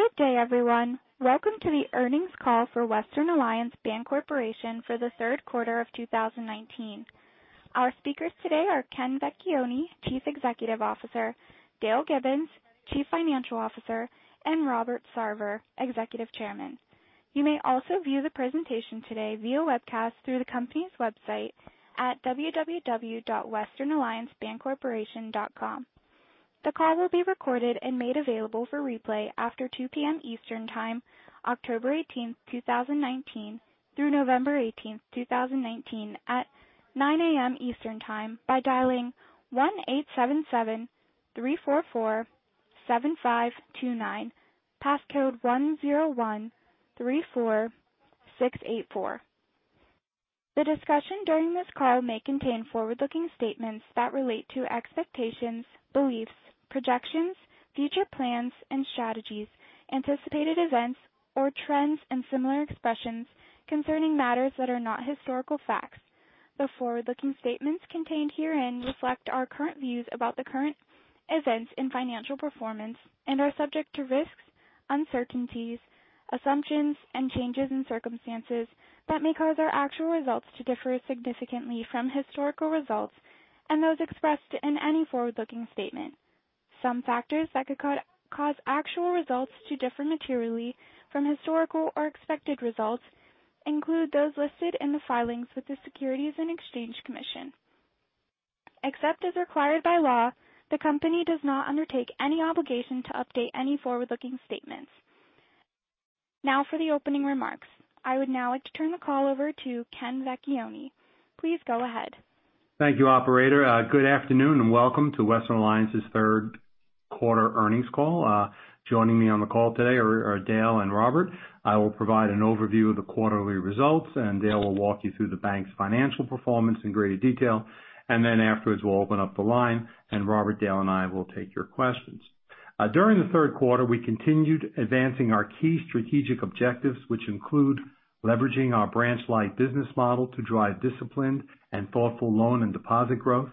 Good day, everyone. Welcome to the earnings call for Western Alliance Bancorporation for the third quarter of 2019. Our speakers today are Ken Vecchione, Chief Executive Officer, Dale Gibbons, Chief Financial Officer, and Robert Sarver, Executive Chairman. You may also view the presentation today via webcast through the company's website at www.westernalliancebancorporation.com. The call will be recorded and made available for replay after 2:00 P.M. Eastern Time, October 18, 2019, through November 18, 2019, at 9:00 A.M. Eastern Time by dialing 1-877-344-7529, passcode 10134684. The discussion during this call may contain forward-looking statements that relate to expectations, beliefs, projections, future plans and strategies, anticipated events or trends, and similar expressions concerning matters that are not historical facts. The forward-looking statements contained herein reflect our current views about the current events and financial performance and are subject to risks, uncertainties, assumptions, and changes in circumstances that may cause our actual results to differ significantly from historical results and those expressed in any forward-looking statement. Some factors that could cause actual results to differ materially from historical or expected results include those listed in the filings with the Securities and Exchange Commission. Except as required by law, the company does not undertake any obligation to update any forward-looking statements. Now for the opening remarks. I would now like to turn the call over to Ken Vecchione. Please go ahead. Thank you, operator. Good afternoon and welcome to Western Alliance's third quarter earnings call. Joining me on the call today are Dale and Robert. I will provide an overview of the quarterly results, and Dale will walk you through the bank's financial performance in greater detail. Afterwards, we'll open up the line, and Robert, Dale, and I will take your questions. During the third quarter, we continued advancing our key strategic objectives, which include leveraging our branch-light business model to drive disciplined and thoughtful loan and deposit growth,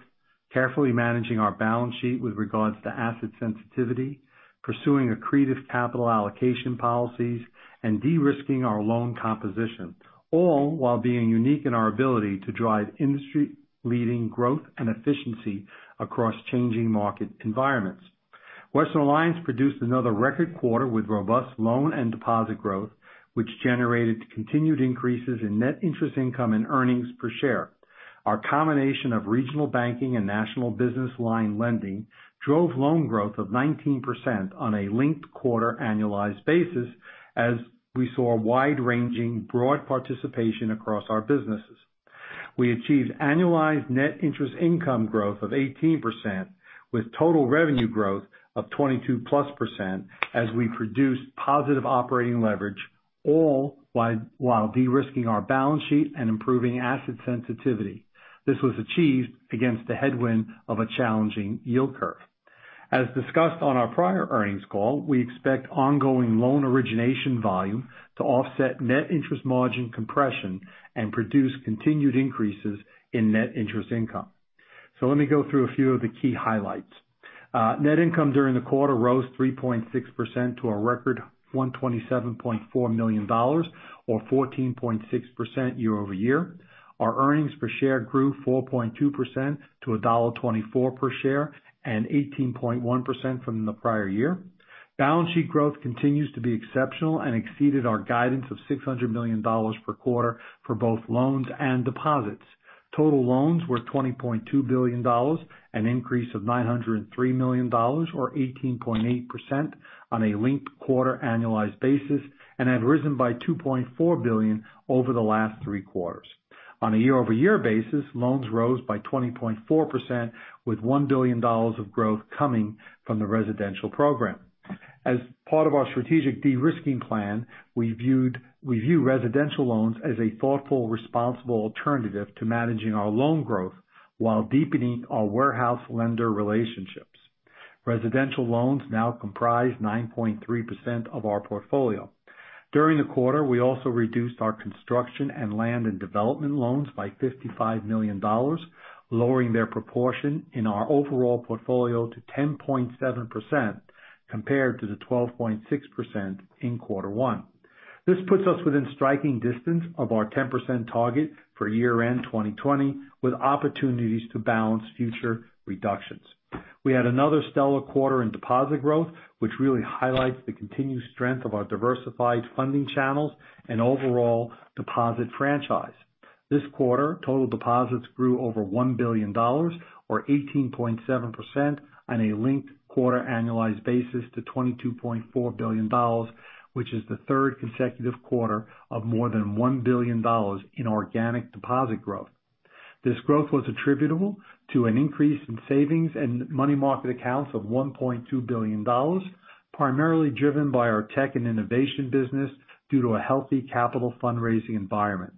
carefully managing our balance sheet with regards to asset sensitivity, pursuing accretive capital allocation policies, and de-risking our loan composition, all while being unique in our ability to drive industry-leading growth and efficiency across changing market environments. Western Alliance produced another record quarter with robust loan and deposit growth, which generated continued increases in net interest income and earnings per share. Our combination of regional banking and national business line lending drove loan growth of 19% on a linked quarter annualized basis, as we saw wide-ranging, broad participation across our businesses. We achieved annualized net interest income growth of 18%, with total revenue growth of 22%+ as we produced positive operating leverage, all while de-risking our balance sheet and improving asset sensitivity. This was achieved against the headwind of a challenging yield curve. As discussed on our prior earnings call, we expect ongoing loan origination volume to offset net interest margin compression and produce continued increases in net interest income. Let me go through a few of the key highlights. Net income during the quarter rose 3.6% to a record $127.4 million, or 14.6% year-over-year. Our earnings per share grew 4.2% to $1.24 per share and 18.1% from the prior year. Balance sheet growth continues to be exceptional and exceeded our guidance of $600 million per quarter for both loans and deposits. Total loans were $20.2 billion, an increase of $903 million or 18.8% on a linked quarter annualized basis, and have risen by $2.4 billion over the last three quarters. On a year-over-year basis, loans rose by 20.4%, with $1 billion of growth coming from the residential program. As part of our strategic de-risking plan, we view residential loans as a thoughtful, responsible alternative to managing our loan growth while deepening our warehouse lender relationships. Residential loans now comprise 9.3% of our portfolio. During the quarter, we also reduced our construction and land and development loans by $55 million, lowering their proportion in our overall portfolio to 10.7% compared to the 12.6% in quarter one. This puts us within striking distance of our 10% target for year-end 2020, with opportunities to balance future reductions. We had another stellar quarter in deposit growth, which really highlights the continued strength of our diversified funding channels and overall deposit franchise. This quarter, total deposits grew over $1 billion, or 18.7%, on a linked quarter annualized basis to $22.4 billion, which is the third consecutive quarter of more than $1 billion in organic deposit growth. This growth was attributable to an increase in savings and money market accounts of $1.2 billion, primarily driven by our tech and innovation business due to a healthy capital fundraising environment.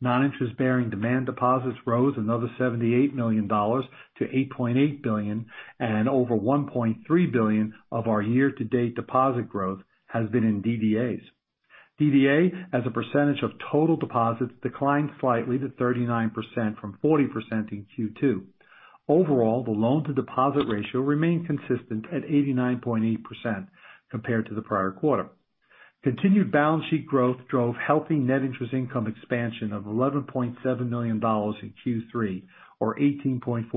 Non-interest-bearing demand deposits rose another $78 million to $8.8 billion. Over $1.3 billion of our year-to-date deposit growth has been in DDAs. DDA as a % of total deposits declined slightly to 39% from 40% in Q2. Overall, the loan-to-deposit ratio remained consistent at 89.8% compared to the prior quarter. Continued balance sheet growth drove healthy net interest income expansion of $11.7 million in Q3 or 18.4%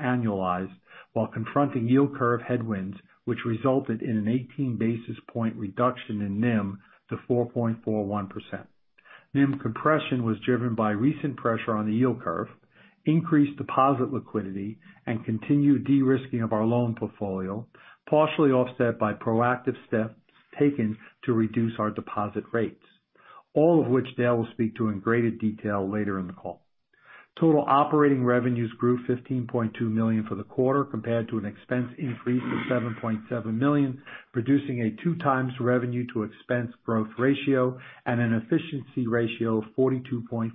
annualized while confronting yield curve headwinds, which resulted in an 18 basis point reduction in NIM to 4.41%. NIM compression was driven by recent pressure on the yield curve, increased deposit liquidity, and continued de-risking of our loan portfolio, partially offset by proactive steps taken to reduce our deposit rates. All of which Dale will speak to in greater detail later in the call. Total operating revenues grew to $15.2 million for the quarter compared to an expense increase of $7.7 million, producing a 2x revenue to expense growth ratio and an efficiency ratio of 42.4%.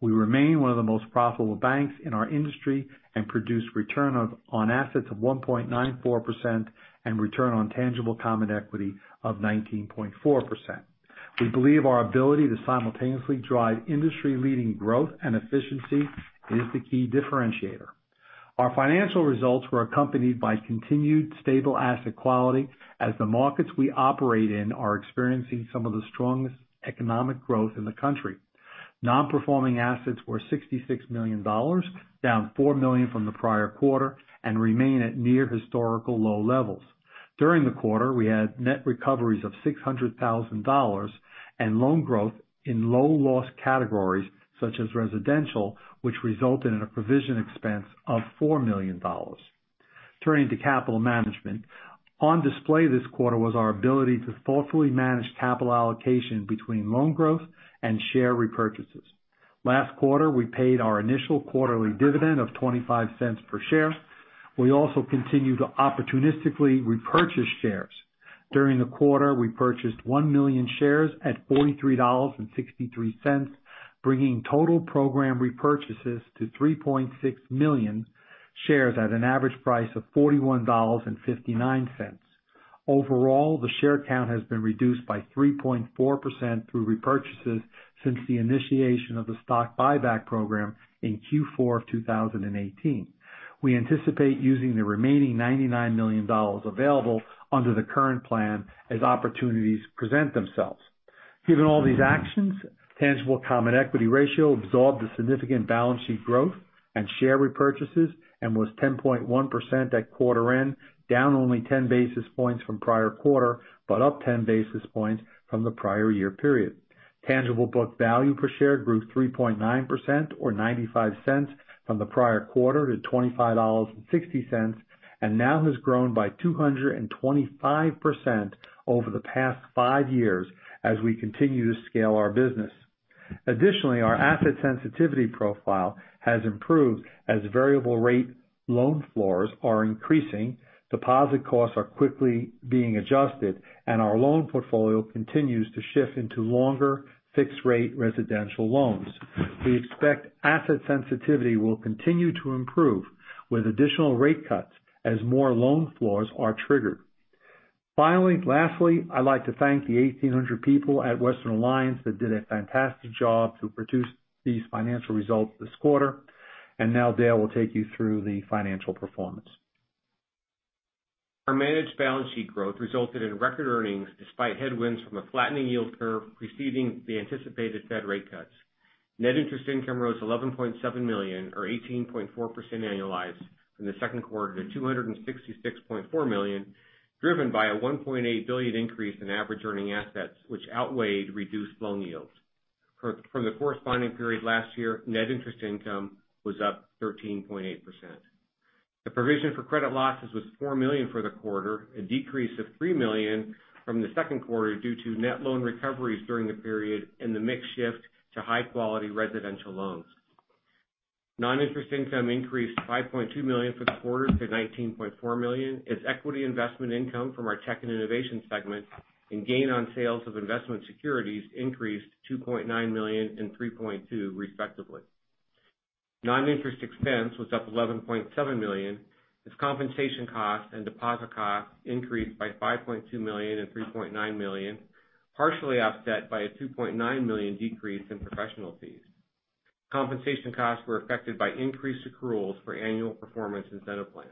We remain one of the most profitable banks in our industry and produce return on assets of 1.94% and return on tangible common equity of 19.4%. We believe our ability to simultaneously drive industry-leading growth and efficiency is the key differentiator. Our financial results were accompanied by continued stable asset quality as the markets we operate in are experiencing some of the strongest economic growth in the country. Non-performing assets were $66 million, down $4 million from the prior quarter, and remain at near historical low levels. During the quarter, we had net recoveries of $600,000 and loan growth in low loss categories such as residential, which resulted in a provision expense of $4 million. Turning to capital management. On display this quarter was our ability to thoughtfully manage capital allocation between loan growth and share repurchases. Last quarter, we paid our initial quarterly dividend of $0.25 per share. We also continue to opportunistically repurchase shares. During the quarter, we purchased 1 million shares at $43.63, bringing total program repurchases to 3.6 million shares at an average price of $41.59. Overall, the share count has been reduced by 3.4% through repurchases since the initiation of the stock buyback program in Q4 of 2018. We anticipate using the remaining $99 million available under the current plan as opportunities present themselves. Given all these actions, tangible common equity ratio absorbed the significant balance sheet growth and share repurchases and was 10.1% at quarter end, down only 10 basis points from prior quarter, but up 10 basis points from the prior year period. Tangible book value per share grew 3.9% or $0.95 from the prior quarter to $25.60, and now has grown by 225% over the past five years as we continue to scale our business. Additionally, our asset sensitivity profile has improved as variable rate loan floors are increasing, deposit costs are quickly being adjusted, and our loan portfolio continues to shift into longer fixed rate residential loans. We expect asset sensitivity will continue to improve with additional rate cuts as more loan floors are triggered. Lastly, I'd like to thank the 1,800 people at Western Alliance that did a fantastic job to produce these financial results this quarter. Now Dale will take you through the financial performance. Our managed balance sheet growth resulted in record earnings despite headwinds from a flattening yield curve preceding the anticipated Fed rate cuts. Net interest income rose $11.7 million, or 18.4% annualized from the second quarter to $266.4 million, driven by a $1.8 billion increase in average earning assets, which outweighed reduced loan yields. From the corresponding period last year, net interest income was up 13.8%. The provision for credit losses was $4 million for the quarter, a decrease of $3 million from the second quarter due to net loan recoveries during the period and the mix shift to high-quality residential loans. Non-interest income increased to $5.2 million for the quarter to $19.4 million as equity investment income from our tech and innovation segment and gain on sales of investment securities increased to $2.9 million and $3.2 million respectively. Non-interest expense was up $11.7 million as compensation costs and deposit costs increased by $5.2 million and $3.9 million, partially offset by a $2.9 million decrease in professional fees. Compensation costs were affected by increased accruals for annual performance incentive plans.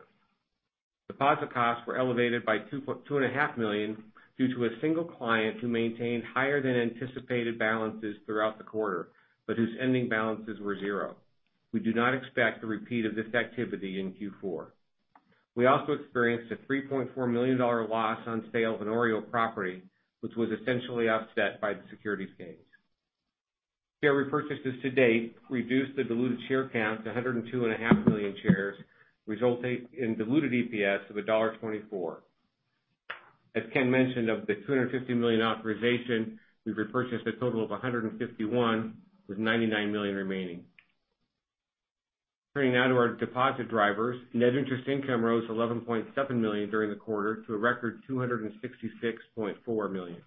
Deposit costs were elevated by $2.5 million due to a single client who maintained higher than anticipated balances throughout the quarter, but whose ending balances were zero. We do not expect a repeat of this activity in Q4. We also experienced a $3.4 million loss on sale of an OREO property, which was essentially offset by the securities gains. Share repurchases to date reduced the diluted share count to 102.5 million shares, resulting in diluted EPS of $1.24. As Ken mentioned, of the $250 million authorization, we've repurchased a total of $151 million with $99 million remaining. Turning now to our deposit drivers. Net interest income rose $11.7 million during the quarter to a record $266.4 million.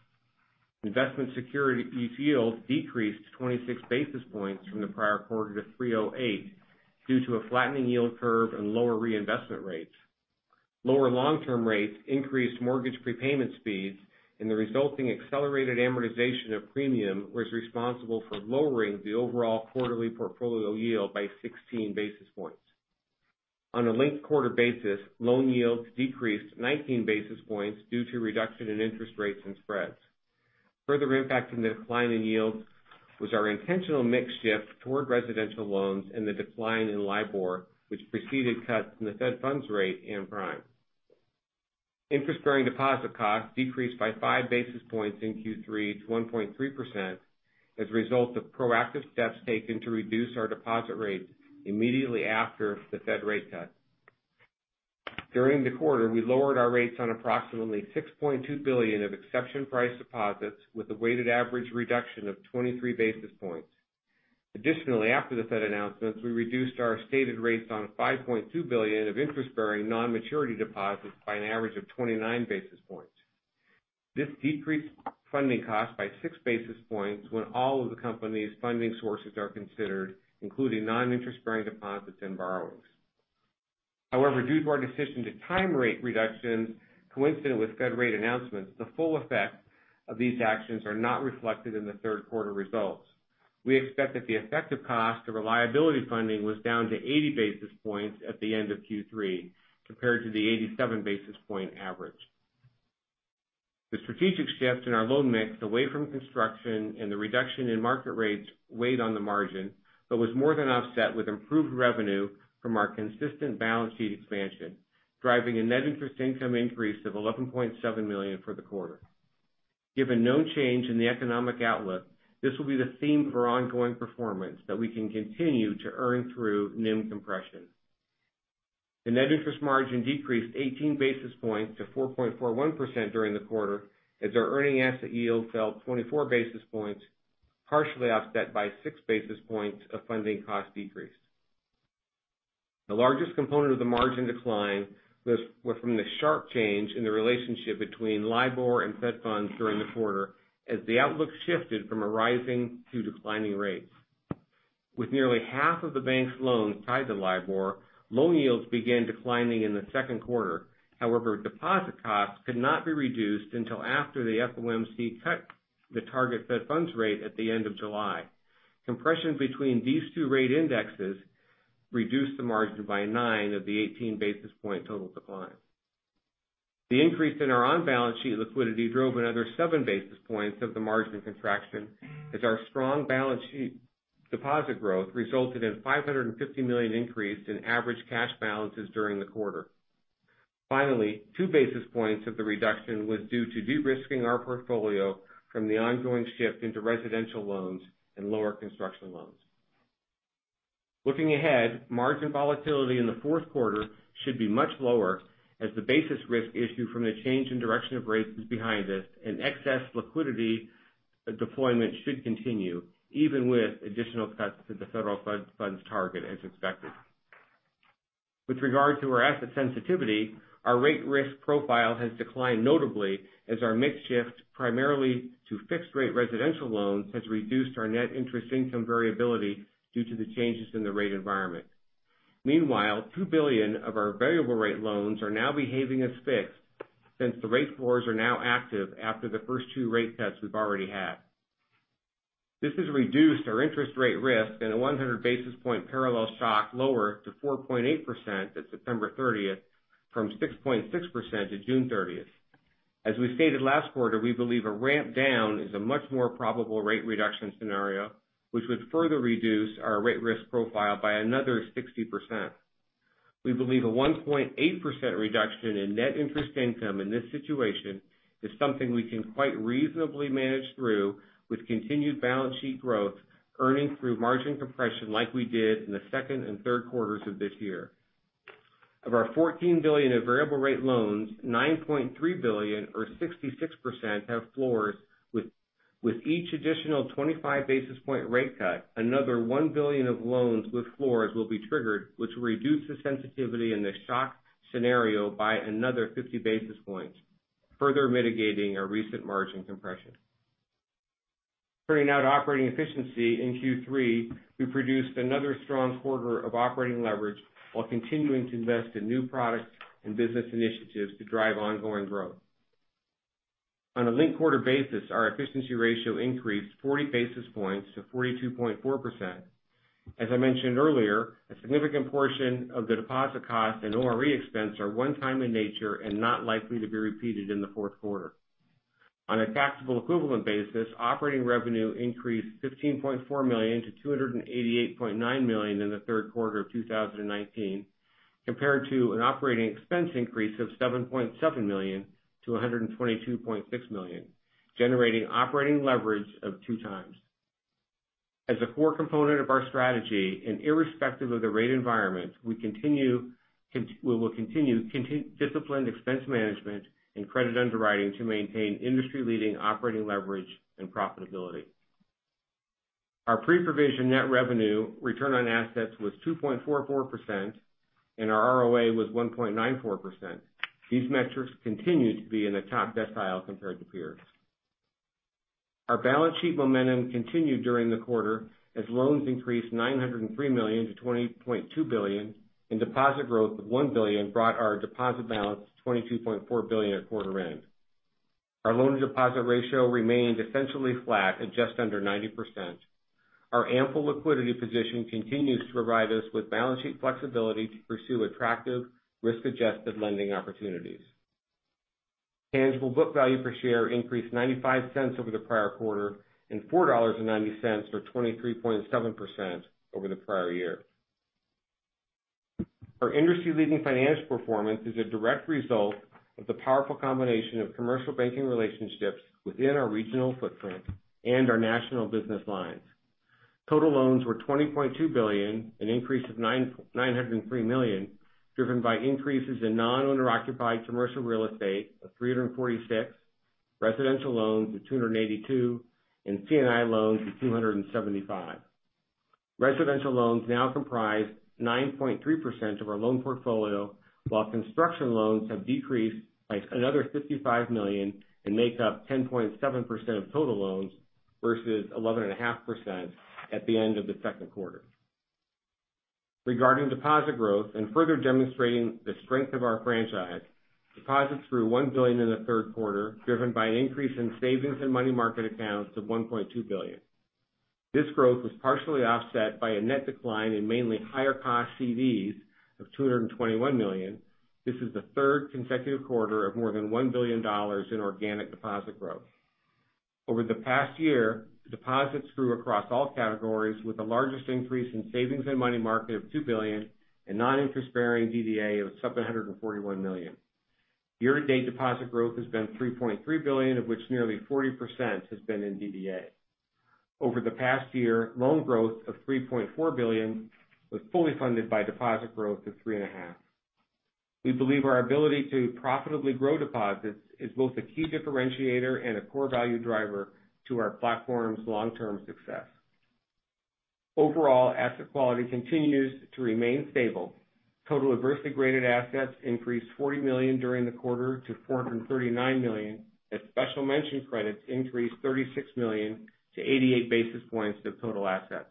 Investment security yields decreased 26 basis points from the prior quarter to 308 due to a flattening yield curve and lower reinvestment rates. Lower long-term rates increased mortgage prepayment speeds, and the resulting accelerated amortization of premium was responsible for lowering the overall quarterly portfolio yield by 16 basis points. On a linked quarter basis, loan yields decreased 19 basis points due to reduction in interest rates and spreads. Further impacting the decline in yields was our intentional mix shift toward residential loans and the decline in LIBOR, which preceded cuts in the fed funds rate and prime. Interest-bearing deposit costs decreased by five basis points in Q3 to 1.3% as a result of proactive steps taken to reduce our deposit rate immediately after the fed rate cut. During the quarter, we lowered our rates on approximately $6.2 billion of exception priced deposits with a weighted average reduction of 23 basis points. Additionally, after the Fed announcements, we reduced our stated rates on $5.2 billion of interest-bearing non-maturity deposits by an average of 29 basis points. This decreased funding costs by six basis points when all of the company's funding sources are considered, including non-interest-bearing deposits and borrowings. However, due to our decision to time rate reductions coincident with Fed rate announcements, the full effect of these actions are not reflected in the third quarter results. We expect that the effective cost of our liability funding was down to 80 basis points at the end of Q3 compared to the 87 basis point average. The strategic shift in our loan mix away from construction and the reduction in market rates weighed on the margin, but was more than offset with improved revenue from our consistent balance sheet expansion, driving a net interest income increase of $11.7 million for the quarter. Given no change in the economic outlook, this will be the theme for ongoing performance that we can continue to earn through NIM compression. The net interest margin decreased 18 basis points to 4.41% during the quarter as our earning asset yield fell 24 basis points, partially offset by six basis points of funding cost decrease. The largest component of the margin decline was from the sharp change in the relationship between LIBOR and fed funds during the quarter as the outlook shifted from a rising to declining rates. With nearly half of the bank's loans tied to LIBOR, loan yields began declining in the second quarter. Deposit costs could not be reduced until after the FOMC cut the target fed funds rate at the end of July. Compression between these two rate indexes reduced the margin by nine of the 18 basis point total decline. The increase in our on-balance sheet liquidity drove another seven basis points of the margin contraction as our strong balance sheet deposit growth resulted in a $550 million increase in average cash balances during the quarter. Two basis points of the reduction was due to de-risking our portfolio from the ongoing shift into residential loans and lower construction loans. Looking ahead, margin volatility in the fourth quarter should be much lower as the basis risk issue from the change in direction of rates is behind us and excess liquidity deployment should continue even with additional cuts to the federal funds target as expected. With regard to our asset sensitivity, our rate risk profile has declined notably as our mix shift primarily to fixed rate residential loans has reduced our net interest income variability due to the changes in the rate environment. Meanwhile, $2 billion of our variable rate loans are now behaving as fixed since the rate floors are now active after the first 2 rate cuts we've already had. This has reduced our interest rate risk in a 100 basis point parallel shock lower to 4.8% at September 30th from 6.6% at June 30th. As we stated last quarter, we believe a ramp down is a much more probable rate reduction scenario, which would further reduce our rate risk profile by another 60%. We believe a 1.8% reduction in net interest income in this situation is something we can quite reasonably manage through with continued balance sheet growth, earning through margin compression like we did in the second and third quarters of this year. Of our $14 billion of variable rate loans, $9.3 billion or 66% have floors. With each additional 25 basis point rate cut, another $1 billion of loans with floors will be triggered, which will reduce the sensitivity in the shock scenario by another 50 basis points, further mitigating our recent margin compression. Turning now to operating efficiency in Q3, we produced another strong quarter of operating leverage while continuing to invest in new products and business initiatives to drive ongoing growth. On a linked quarter basis, our efficiency ratio increased 40 basis points to 42.4%. As I mentioned earlier, a significant portion of the deposit cost and ORE expense are one time in nature and not likely to be repeated in the fourth quarter. On a taxable equivalent basis, operating revenue increased $15.4 million to $288.9 million in the third quarter of 2019, compared to an operating expense increase of $7.7 million to $122.6 million, generating operating leverage of two times. As a core component of our strategy and irrespective of the rate environment, we will continue disciplined expense management and credit underwriting to maintain industry-leading operating leverage and profitability. Our pre-provision net revenue return on assets was 2.44%, and our ROA was 1.94%. These metrics continue to be in the top decile compared to peers. Our balance sheet momentum continued during the quarter as loans increased $903 million to $20.2 billion and deposit growth of $1 billion brought our deposit balance to $22.4 billion at quarter end. Our loan deposit ratio remained essentially flat at just under 90%. Our ample liquidity position continues to provide us with balance sheet flexibility to pursue attractive risk-adjusted lending opportunities. Tangible book value per share increased $0.95 over the prior quarter and $4.90 or 23.7% over the prior year. Our industry leading financial performance is a direct result of the powerful combination of commercial banking relationships within our regional footprint and our national business lines. Total loans were $20.2 billion, an increase of $903 million, driven by increases in non-owner occupied commercial real estate of $346 million, residential loans of $282 million, and C&I loans of $275 million. Residential loans now comprise 9.3% of our loan portfolio, while construction loans have decreased by another $55 million and make up 10.7% of total loans versus 11.5% at the end of the second quarter. Regarding deposit growth and further demonstrating the strength of our franchise, deposits grew $1 billion in the third quarter, driven by an increase in savings and money market accounts of $1.2 billion. This growth was partially offset by a net decline in mainly higher cost CDs of $221 million. This is the third consecutive quarter of more than $1 billion in organic deposit growth. Over the past year, deposits grew across all categories with the largest increase in savings and money market of $2 billion and non-interest bearing DDA of $741 million. Year to date deposit growth has been $3.3 billion, of which nearly 40% has been in DDA. Over the past year, loan growth of $3.4 billion was fully funded by deposit growth of $3.5 billion. We believe our ability to profitably grow deposits is both a key differentiator and a core value driver to our platform's long-term success. Overall, asset quality continues to remain stable. Total adversely graded assets increased $40 million during the quarter to $439 million as special mention credits increased $36 million to 88 basis points of total assets.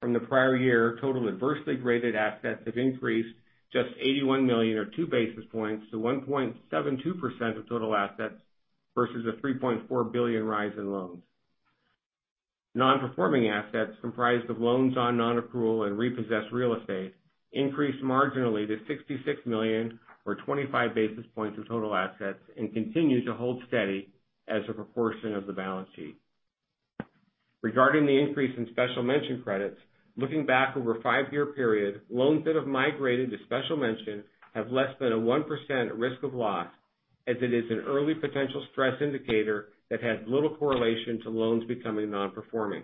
From the prior year, total adversely rated assets have increased just $81 million or two basis points to 1.72% of total assets versus a $3.4 billion rise in loans. Non-performing assets comprised of loans on non-accrual and repossessed real estate increased marginally to $66 million or 25 basis points of total assets and continue to hold steady as a proportion of the balance sheet. Regarding the increase in special mention credits, looking back over a five-year period, loans that have migrated to special mention have less than a 1% risk of loss as it is an early potential stress indicator that has little correlation to loans becoming non-performing.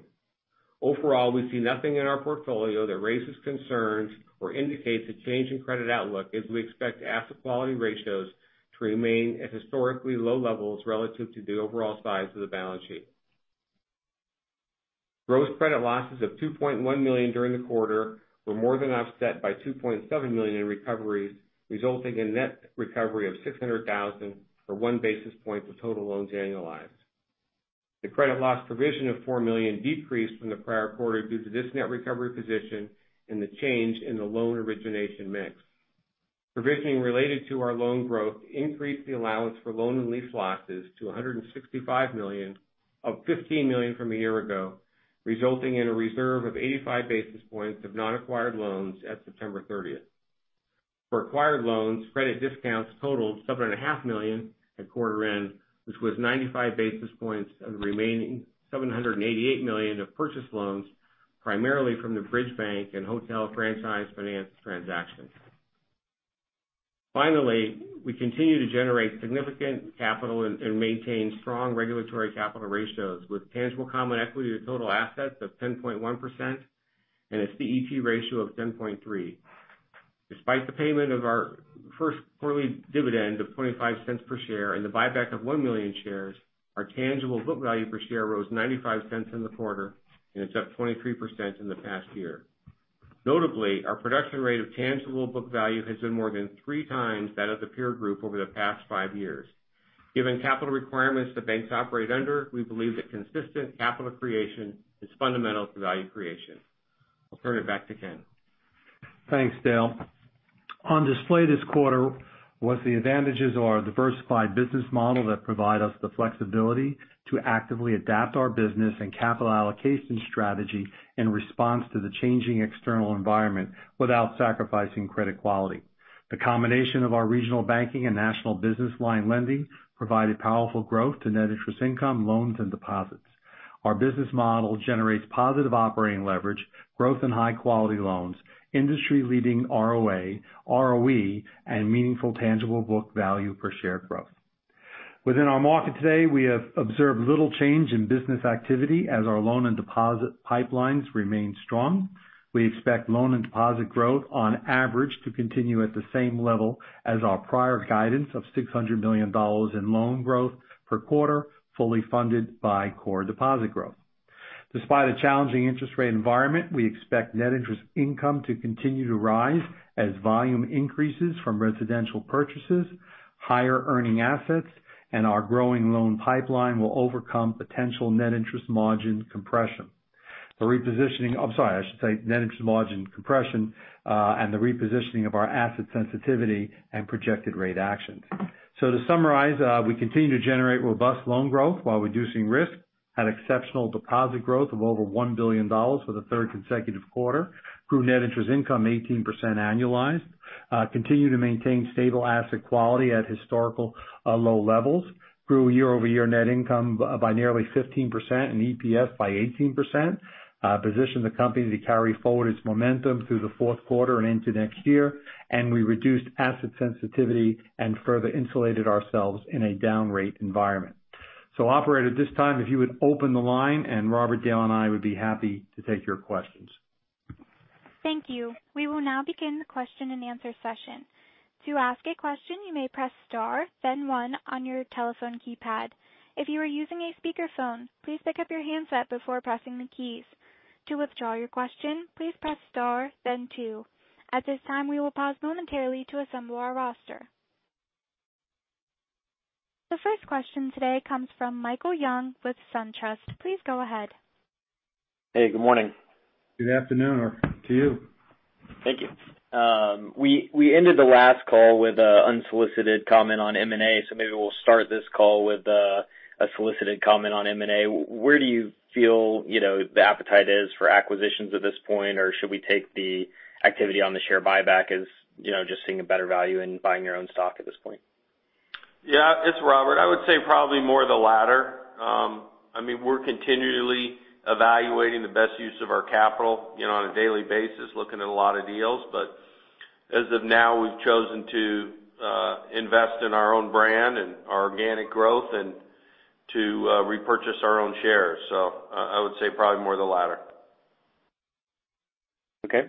Overall, we see nothing in our portfolio that raises concerns or indicates a change in credit outlook as we expect asset quality ratios to remain at historically low levels relative to the overall size of the balance sheet. Gross credit losses of $2.1 million during the quarter were more than offset by $2.7 million in recoveries, resulting in net recovery of $600,000 or one basis point of total loans annualized. The credit loss provision of $4 million decreased from the prior quarter due to this net recovery position and the change in the loan origination mix. Provisioning related to our loan growth increased the allowance for loan and lease losses to $165 million of $15 million from a year ago, resulting in a reserve of 85 basis points of non-acquired loans at September 30th. For acquired loans, credit discounts totaled $7.5 million at quarter end, which was 95 basis points of the remaining $788 million of purchased loans, primarily from the Bridge Bank and hotel franchise finance transactions. Finally, we continue to generate significant capital and maintain strong regulatory capital ratios with tangible common equity to total assets of 10.1% and a CET ratio of 10.3%. Despite the payment of our first quarterly dividend of $0.25 per share and the buyback of 1 million shares, our tangible book value per share rose $0.95 in the quarter, and it's up 23% in the past year. Notably, our production rate of tangible book value has been more than three times that of the peer group over the past five years. Given capital requirements the banks operate under, we believe that consistent capital creation is fundamental to value creation. I'll turn it back to Ken. Thanks, Dale. On display this quarter was the advantages of our diversified business model that provide us the flexibility to actively adapt our business and capital allocation strategy in response to the changing external environment without sacrificing credit quality. The combination of our regional banking and national business line lending provided powerful growth to net interest income, loans, and deposits. Our business model generates positive operating leverage, growth in high-quality loans, industry-leading ROA, ROE, and meaningful tangible book value per share growth. Within our market today, we have observed little change in business activity as our loan and deposit pipelines remain strong. We expect loan and deposit growth on average to continue at the same level as our prior guidance of $600 million in loan growth per quarter, fully funded by core deposit growth. Despite a challenging interest rate environment, we expect net interest income to continue to rise as volume increases from residential purchases, higher earning assets, and our growing loan pipeline will overcome potential net interest margin compression, and the repositioning of our asset sensitivity and projected rate actions. To summarize, we continue to generate robust loan growth while reducing risk, had exceptional deposit growth of over $1 billion for the third consecutive quarter, grew net interest income 18% annualized, continue to maintain stable asset quality at historical low levels, grew year-over-year net income by nearly 15% and EPS by 18%, positioned the company to carry forward its momentum through the fourth quarter and into next year, and we reduced asset sensitivity and further insulated ourselves in a down rate environment. Operator, at this time, if you would open the line and Robert, Dale, and I would be happy to take your questions. Thank you. We will now begin the question and answer session. To ask a question, you may press star then one on your telephone keypad. If you are using a speakerphone, please pick up your handset before pressing the keys. To withdraw your question, please press star then two. At this time, we will pause momentarily to assemble our roster. The first question today comes from Michael Young with SunTrust. Please go ahead. Hey, good morning. Good afternoon to you. Thank you. We ended the last call with a unsolicited comment on M&A. Maybe we'll start this call with a solicited comment on M&A. Where do you feel the appetite is for acquisitions at this point, or should we take the activity on the share buyback as just seeing a better value in buying your own stock at this point? Yeah. It's Robert. I would say probably more of the latter. We're continually evaluating the best use of our capital on a daily basis, looking at a lot of deals. As of now, we've chosen to invest in our own brand and our organic growth and to repurchase our own shares. I would say probably more of the latter. Okay.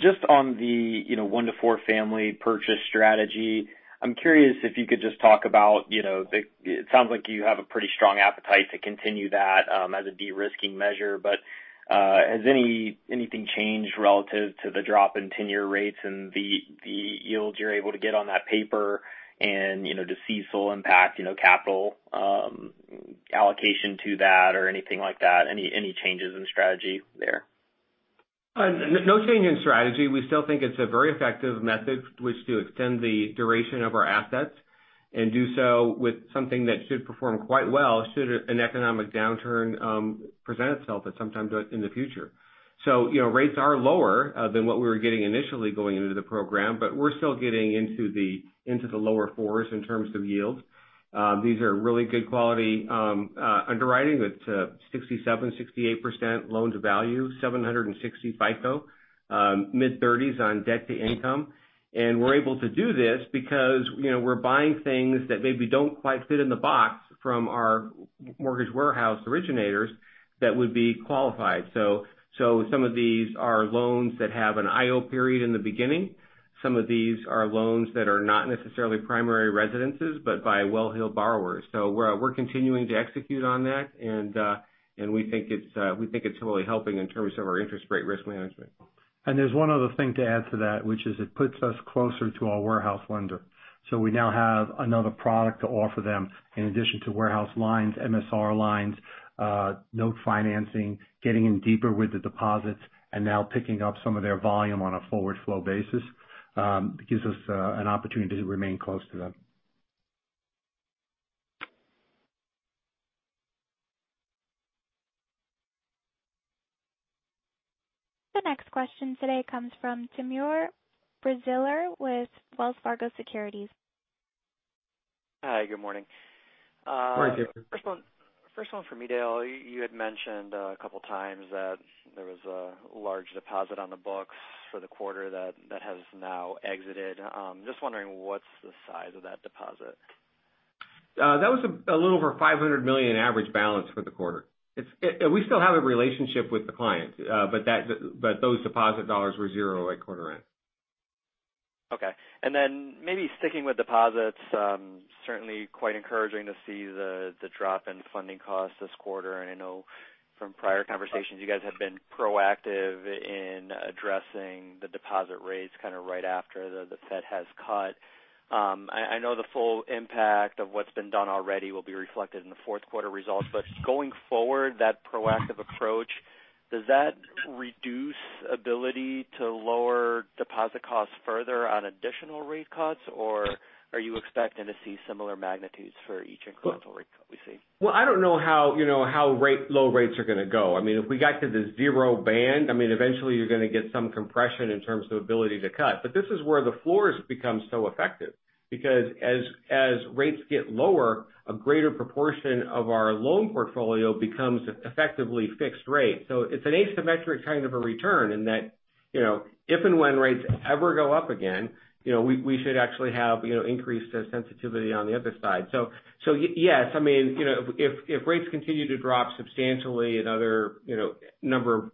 Just on the 1 to 4 family purchase strategy, I'm curious if you could just talk about, it sounds like you have a pretty strong appetite to continue that as a de-risking measure, but has anything changed relative to the drop in 10-year rates and the yields you're able to get on that paper and does CECL impact capital allocation to that or anything like that? Any changes in strategy there? No change in strategy. We still think it's a very effective method which to extend the duration of our assets and do so with something that should perform quite well should an economic downturn present itself at some time in the future. Rates are lower than what we were getting initially going into the program, but we're still getting into the lower 4s in terms of yields. These are really good quality underwriting with 67%, 68% loans of value, 760 FICO, mid-30s on debt-to-income. We're able to do this because we're buying things that maybe don't quite fit in the box from our mortgage warehouse originators that would be qualified. Some of these are loans that have an IO period in the beginning. Some of these are loans that are not necessarily primary residences, but by well-heeled borrowers. We're continuing to execute on that, and we think it's really helping in terms of our interest rate risk management. There's one other thing to add to that, which is it puts us closer to our warehouse lender. We now have another product to offer them in addition to warehouse lines, MSR lines, note financing, getting in deeper with the deposits, and now picking up some of their volume on a forward flow basis. It gives us an opportunity to remain close to them. The next question today comes from Timur Braziler with Wells Fargo Securities. Hi, good morning. Morning, Timur. First one for me, Dale. You had mentioned a couple of times that there was a large deposit on the books for the quarter that has now exited. Just wondering what's the size of that deposit? That was a little over $500 million average balance for the quarter. We still have a relationship with the client, but those deposit dollars were zero at quarter end. Okay. Then maybe sticking with deposits, certainly quite encouraging to see the drop in funding costs this quarter. I know from prior conversations, you guys have been proactive in addressing the deposit rates kind of right after the Fed has cut. I know the full impact of what's been done already will be reflected in the 4th quarter results. Going forward, that proactive approach, does that reduce ability to lower deposit costs further on additional rate cuts, or are you expecting to see similar magnitudes for each incremental rate cut we see? Well, I don't know how low rates are going to go. If we got to the zero band, eventually you're going to get some compression in terms of ability to cut. This is where the floors become so effective because as rates get lower, a greater proportion of our loan portfolio becomes effectively fixed rate. It's an asymmetric kind of a return in that if and when rates ever go up again, we should actually have increased sensitivity on the other side. Yes, if rates continue to drop substantially, another number of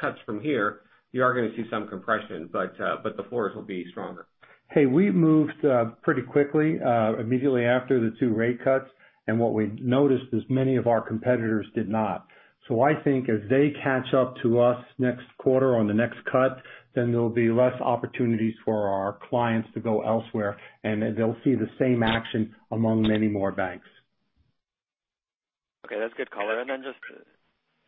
cuts from here, you are going to see some compression, but the floors will be stronger. Hey, we moved pretty quickly immediately after the two rate cuts. What we noticed is many of our competitors did not. I think as they catch up to us next quarter on the next cut, then there'll be less opportunities for our clients to go elsewhere. They'll see the same action among many more banks. Okay, that's good color. Just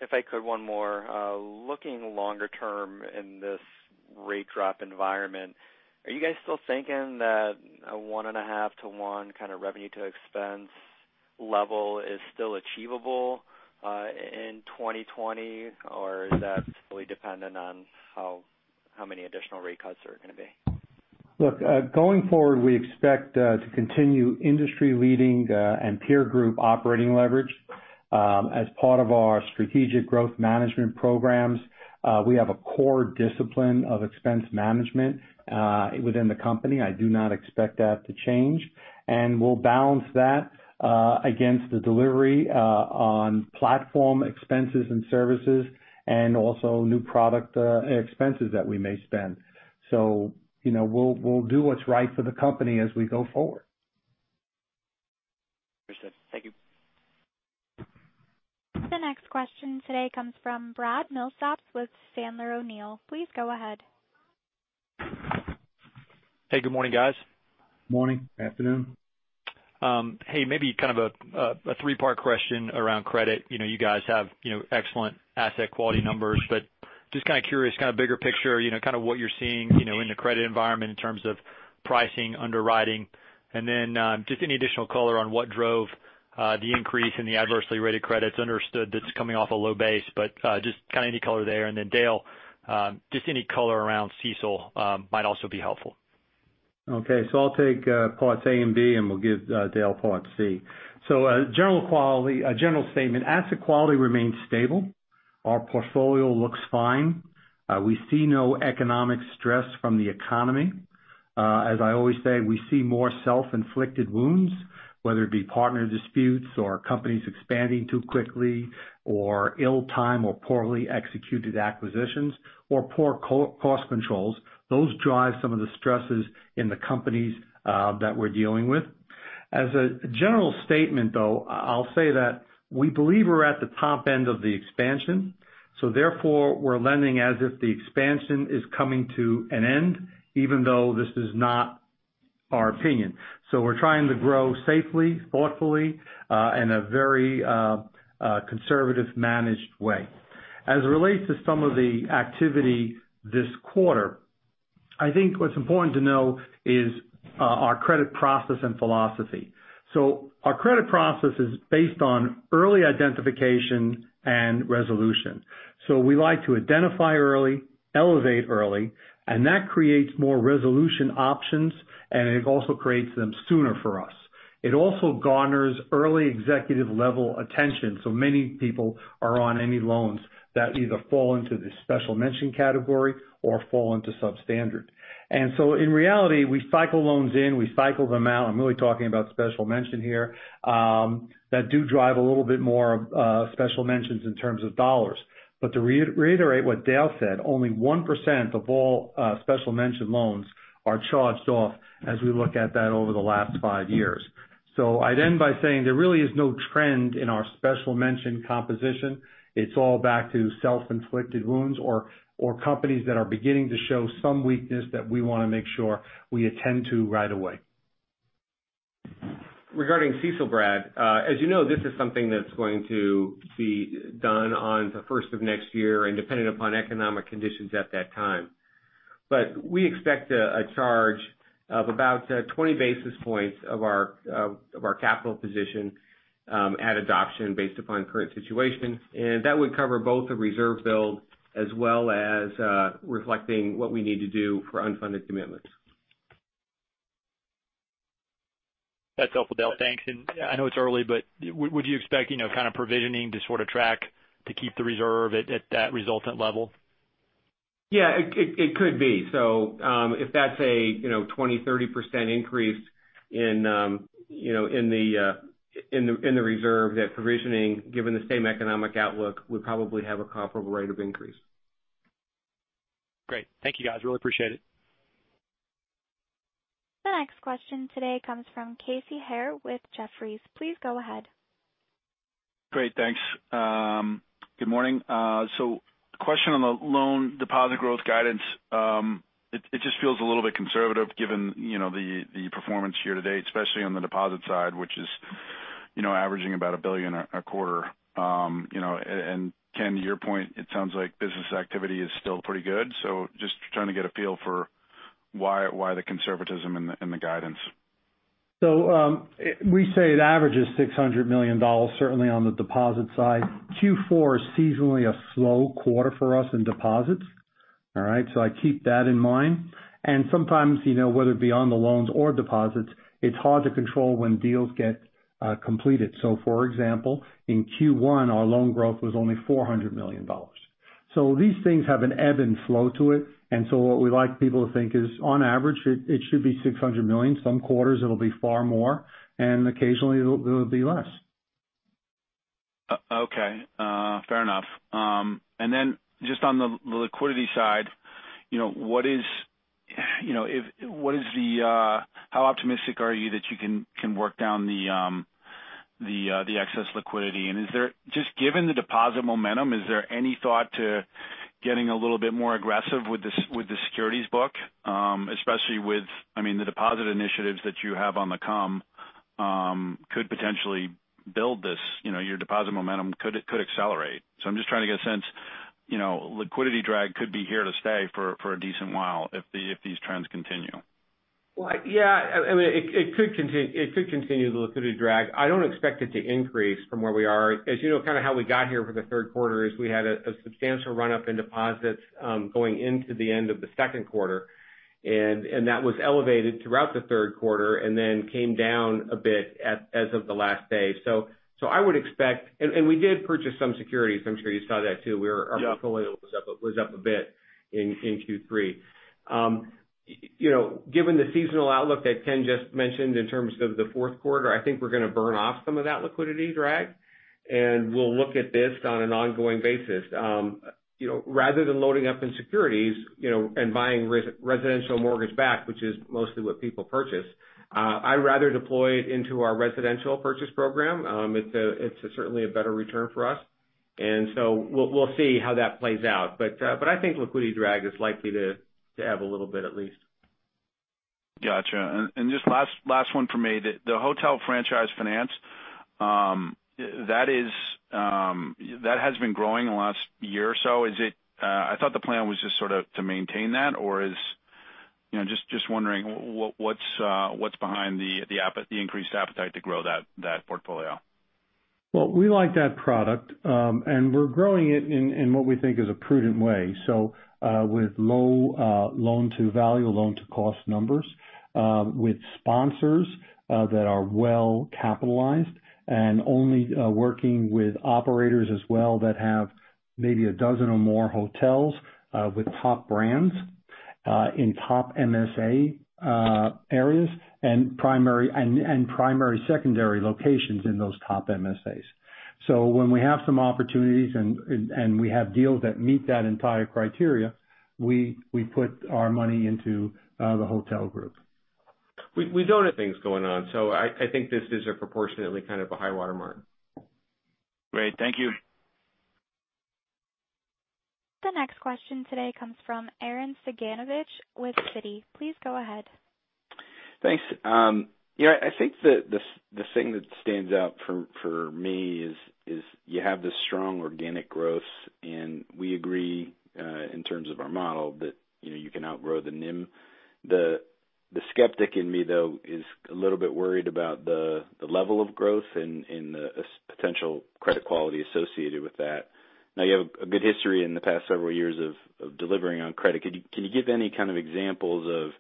if I could, one more. Looking longer term in this rate drop environment, are you guys still thinking that a one and a half to one kind of revenue to expense level is still achievable in 2020? Is that fully dependent on how many additional rate cuts there are going to be? Look, going forward, we expect to continue industry-leading and peer group operating leverage as part of our strategic growth management programs. We have a core discipline of expense management within the company. I do not expect that to change. We'll balance that against the delivery on platform expenses and services and also new product expenses that we may spend. We'll do what's right for the company as we go forward. Appreciate it. Thank you. The next question today comes from Brad Milsaps with Sandler O'Neill. Please go ahead. Hey, good morning, guys. Morning. Afternoon. Hey, maybe kind of a three-part question around credit. You guys have excellent asset quality numbers, but just kind of curious, kind of bigger picture, kind of what you're seeing in the credit environment in terms of pricing, underwriting. Just any additional color on what drove the increase in the adversely rated credits. Understood that's coming off a low base, but just kind of any color there. Dale, just any color around CECL might also be helpful. Okay. I'll take parts A and B, and we'll give Dale part C. A general statement. Asset quality remains stable. Our portfolio looks fine. We see no economic stress from the economy. As I always say, we see more self-inflicted wounds, whether it be partner disputes or companies expanding too quickly or ill-timed or poorly executed acquisitions or poor cost controls. Those drive some of the stresses in the companies that we're dealing with. As a general statement, though, I'll say that we believe we're at the top end of the expansion, therefore, we're lending as if the expansion is coming to an end, even though this is not our opinion. We're trying to grow safely, thoughtfully, in a very conservative, managed way. As it relates to some of the activity this quarter, I think what's important to know is our credit process and philosophy. Our credit process is based on early identification and resolution. We like to identify early, elevate early, and that creates more resolution options, and it also creates them sooner for us. It also garners early executive-level attention, so many people are on any loans that either fall into the special mention category or fall into substandard. In reality, we cycle loans in, we cycle them out, I'm really talking about special mention here, that do drive a little bit more of special mentions in terms of dollars. To reiterate what Dale said, only 1% of all special mention loans are charged off as we look at that over the last five years. I'd end by saying there really is no trend in our special mention composition. It's all back to self-inflicted wounds or companies that are beginning to show some weakness that we want to make sure we attend to right away. Regarding CECL, Brad. As you know, this is something that's going to be done on the first of next year and dependent upon economic conditions at that time. We expect a charge of about 20 basis points of our capital position at adoption based upon current situation. That would cover both the reserve build as well as reflecting what we need to do for unfunded commitments. That's helpful, Dale. Thanks. I know it's early, but would you expect kind of provisioning to sort of track to keep the reserve at that resultant level? Yeah, it could be. If that's a 20, 30% increase in the reserve, that provisioning, given the same economic outlook, would probably have a comparable rate of increase. Great. Thank you, guys. Really appreciate it. The next question today comes from Casey Haire with Jefferies. Please go ahead. Great, thanks. Good morning. Question on the loan deposit growth guidance. It just feels a little bit conservative given the performance year-to-date, especially on the deposit side, which is averaging about $1 billion a quarter. Ken, to your point, it sounds like business activity is still pretty good. Just trying to get a feel for why the conservatism in the guidance. We say it averages $600 million, certainly on the deposit side. Q4 is seasonally a slow quarter for us in deposits, all right? I keep that in mind. Sometimes, whether it be on the loans or deposits, it's hard to control when deals get completed. For example, in Q1, our loan growth was only $400 million. These things have an ebb and flow to it. What we like people to think is, on average, it should be $600 million. Some quarters it'll be far more, and occasionally it'll be less. Okay. Fair enough. Then just on the liquidity side, how optimistic are you that you can work down the excess liquidity? Just given the deposit momentum, is there any thought to getting a little bit more aggressive with the securities book? Especially with the deposit initiatives that you have on the come could potentially build this. Your deposit momentum could accelerate. I'm just trying to get a sense. Liquidity drag could be here to stay for a decent while if these trends continue. Well, yeah. It could continue the liquidity drag. I don't expect it to increase from where we are. As you know, kind of how we got here for the third quarter is we had a substantial run-up in deposits going into the end of the second quarter, and that was elevated throughout the third quarter and then came down a bit as of the last day. We did purchase some securities. I'm sure you saw that, too. Yeah. Our portfolio was up a bit in Q3. Given the seasonal outlook that Ken just mentioned in terms of the fourth quarter, I think we're going to burn off some of that liquidity drag, and we'll look at this on an ongoing basis. Rather than loading up in securities and buying residential mortgage-backed, which is mostly what people purchase, I'd rather deploy it into our residential purchase program. It's certainly a better return for us. We'll see how that plays out. I think liquidity drag is likely to have a little bit at least. Got you. Last one from me. The hotel franchise finance, that has been growing in the last year or so. I thought the plan was just sort of to maintain that or just wondering what's behind the increased appetite to grow that portfolio? Well, we like that product, we're growing it in what we think is a prudent way. With low loan to value, loan to cost numbers, with sponsors that are well capitalized, and only working with operators as well that have maybe a dozen or more hotels with top brands in top MSA areas and primary secondary locations in those top MSAs. When we have some opportunities and we have deals that meet that entire criteria, we put our money into the hotel group. We don't have things going on, so I think this is a proportionately kind of a high-water mark. Great. Thank you. The next question today comes from Arren Cyganovich with Citi. Please go ahead. Thanks. I think the thing that stands out for me is you have this strong organic growth, and we agree, in terms of our model, that you can outgrow the NIM. The skeptic in me, though, is a little bit worried about the level of growth and the potential credit quality associated with that. You have a good history in the past several years of delivering on credit. Can you give any kind of examples of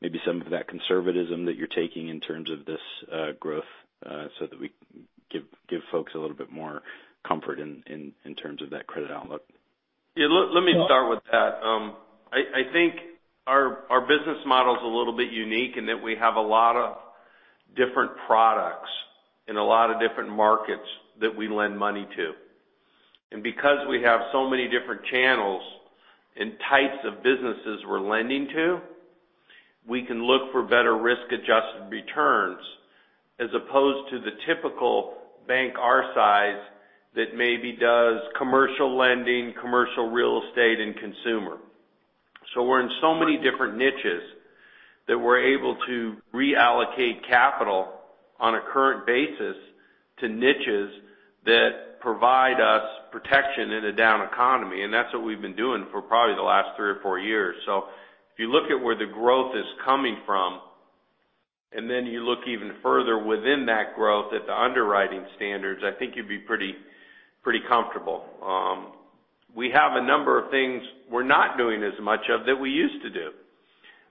maybe some of that conservatism that you're taking in terms of this growth so that we give folks a little bit more comfort in terms of that credit outlook? Yeah. Let me start with that. I think our business model is a little bit unique in that we have a lot of different products in a lot of different markets that we lend money to. Because we have so many different channels and types of businesses we're lending to, we can look for better risk-adjusted returns as opposed to the typical bank our size that maybe does commercial lending, commercial real estate, and consumer. We're in so many different niches that we're able to reallocate capital on a current basis to niches that provide us protection in a down economy. That's what we've been doing for probably the last three or four years. If you look at where the growth is coming from, and then you look even further within that growth at the underwriting standards, I think you'd be pretty comfortable. We have a number of things we're not doing as much of that we used to do.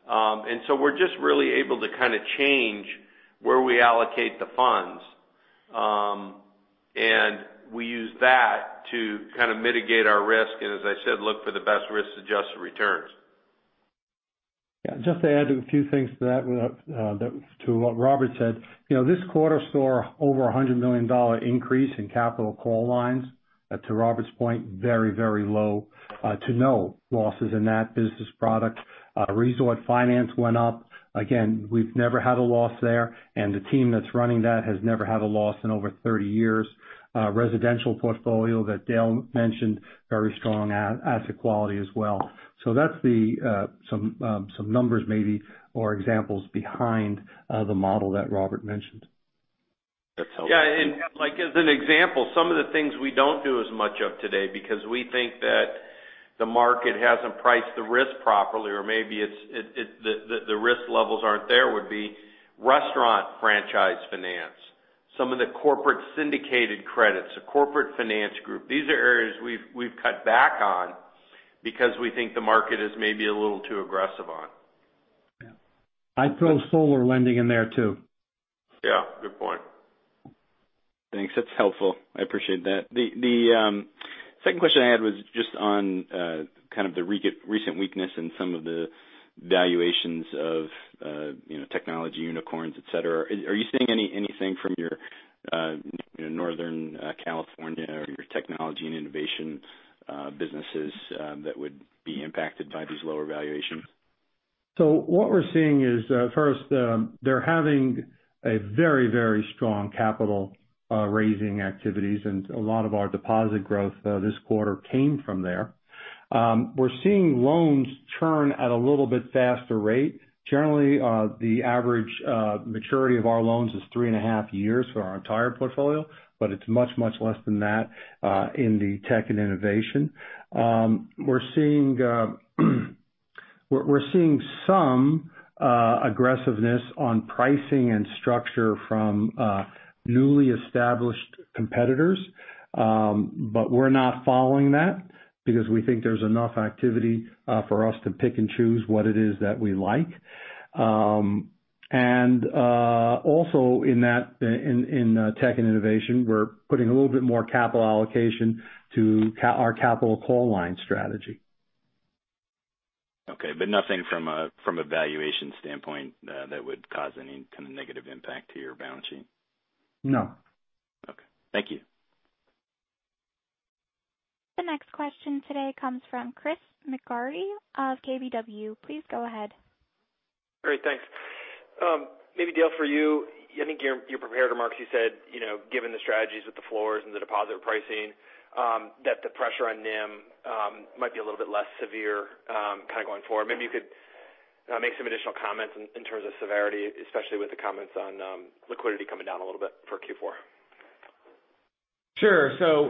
We're just really able to kind of change where we allocate the funds. We use that to kind of mitigate our risk, and as I said, look for the best risk-adjusted returns. Yeah. Just to add a few things to what Robert said. This quarter saw over $100 million increase in capital call lines. To Robert's point, very low to no losses in that business product. Resort finance went up. Again, we've never had a loss there, and the team that's running that has never had a loss in over 30 years. Residential portfolio that Dale mentioned, very strong asset quality as well. That's some numbers maybe or examples behind the model that Robert mentioned. Yeah. As an example, some of the things we don't do as much of today because we think that the market hasn't priced the risk properly or maybe the risk levels aren't there would be restaurant franchise finance, some of the corporate syndicated credits, the corporate finance group. These are areas we've cut back on because we think the market is maybe a little too aggressive on. Yeah. I'd throw solar lending in there, too. Yeah. Good point. Thanks. That's helpful. I appreciate that. Second question I had was just on kind of the recent weakness in some of the valuations of technology unicorns, et cetera. Are you seeing anything from your Northern California or your technology and innovation businesses that would be impacted by these lower valuations? What we're seeing is, first, they're having a very strong capital raising activities, and a lot of our deposit growth this quarter came from there. We're seeing loans turn at a little bit faster rate. Generally, the average maturity of our loans is three and a half years for our entire portfolio, but it's much less than that in the tech and innovation. We're seeing some aggressiveness on pricing and structure from newly established competitors. We're not following that because we think there's enough activity for us to pick and choose what it is that we like. Also in tech and innovation, we're putting a little bit more capital allocation to our capital call line strategy. Okay, nothing from a valuation standpoint that would cause any kind of negative impact to your balance sheet? No. Okay. Thank you. The next question today comes from Chris McGratty of KBW. Please go ahead. Great, thanks. Maybe Dale, for you, I think your prepared remarks, you said, given the strategies with the floors and the deposit pricing, that the pressure on NIM might be a little bit less severe kind of going forward. Maybe you could make some additional comments in terms of severity, especially with the comments on liquidity coming down a little bit for Q4. Sure.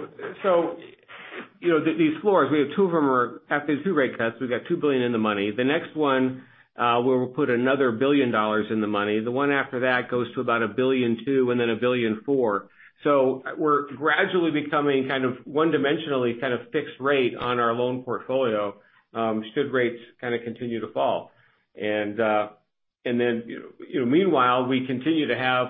These floors, we have two of them are after the two rate cuts. We've got $2 billion in the money. The next one, where we'll put another $1 billion in the money. The one after that goes to about $1.2 billion and then $1.4 billion. We're gradually becoming kind of one-dimensionally kind of fixed rate on our loan portfolio should rates kind of continue to fall. Meanwhile, we continue to have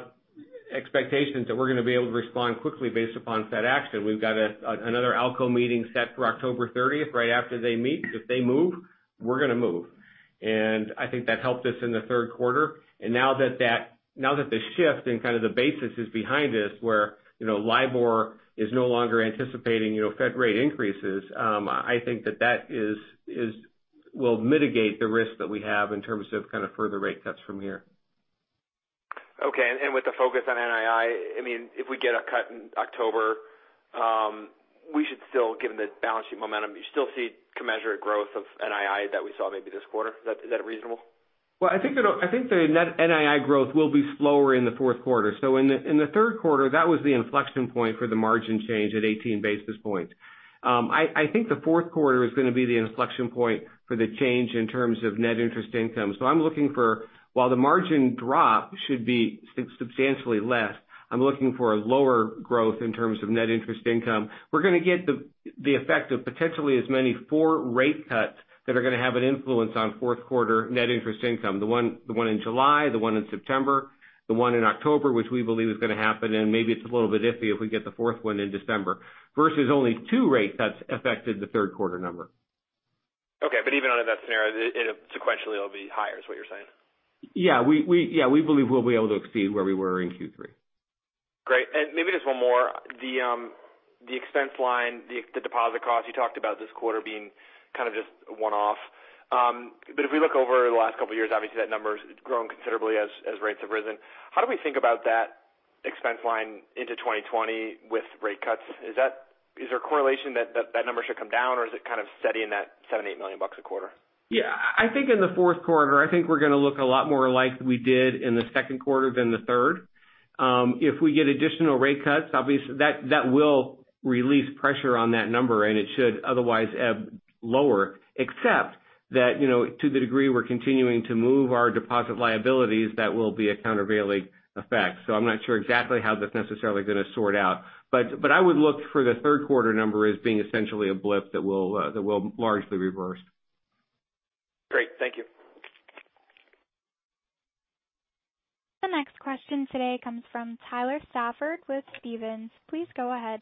expectations that we're going to be able to respond quickly based upon Fed action. We've got another ALCO meeting set for October 30th, right after they meet. If they move, we're going to move. I think that helped us in the third quarter. Now that the shift and kind of the basis is behind us, where LIBOR is no longer anticipating Fed rate increases. I think that that will mitigate the risk that we have in terms of kind of further rate cuts from here. Okay. With the focus on NII, if we get a cut in October, we should still, given the balance sheet momentum, you still see commensurate growth of NII that we saw maybe this quarter. Is that reasonable? Well, I think the net NII growth will be slower in the fourth quarter. In the third quarter, that was the inflection point for the margin change at 18 basis points. I think the fourth quarter is going to be the inflection point for the change in terms of net interest income. I'm looking for while the margin drop should be substantially less, I'm looking for a lower growth in terms of net interest income. We're going to get the effect of potentially as many four rate cuts that are going to have an influence on fourth quarter net interest income. The one in July, the one in September, the one in October, which we believe is going to happen, and maybe it's a little bit iffy if we get the fourth one in December versus only two rate cuts affected the third quarter number. Okay. Even under that scenario, sequentially it'll be higher, is what you're saying? We believe we'll be able to exceed where we were in Q3. Great. Maybe just one more. The expense line, the deposit cost you talked about this quarter being kind of just a one-off. If we look over the last couple of years, obviously that number has grown considerably as rates have risen. How do we think about that expense line into 2020 with rate cuts? Is there a correlation that that number should come down or is it kind of steady in that $7 million-$8 million a quarter? Yeah. I think in the fourth quarter, I think we're going to look a lot more like we did in the second quarter than the third. If we get additional rate cuts, obviously that will release pressure on that number, and it should otherwise ebb lower. Except that, to the degree we're continuing to move our deposit liabilities, that will be a countervailing effect. I'm not sure exactly how that's necessarily going to sort out. I would look for the third quarter number as being essentially a blip that will largely reverse. Great. Thank you. The next question today comes from Tyler Stafford with Stephens. Please go ahead.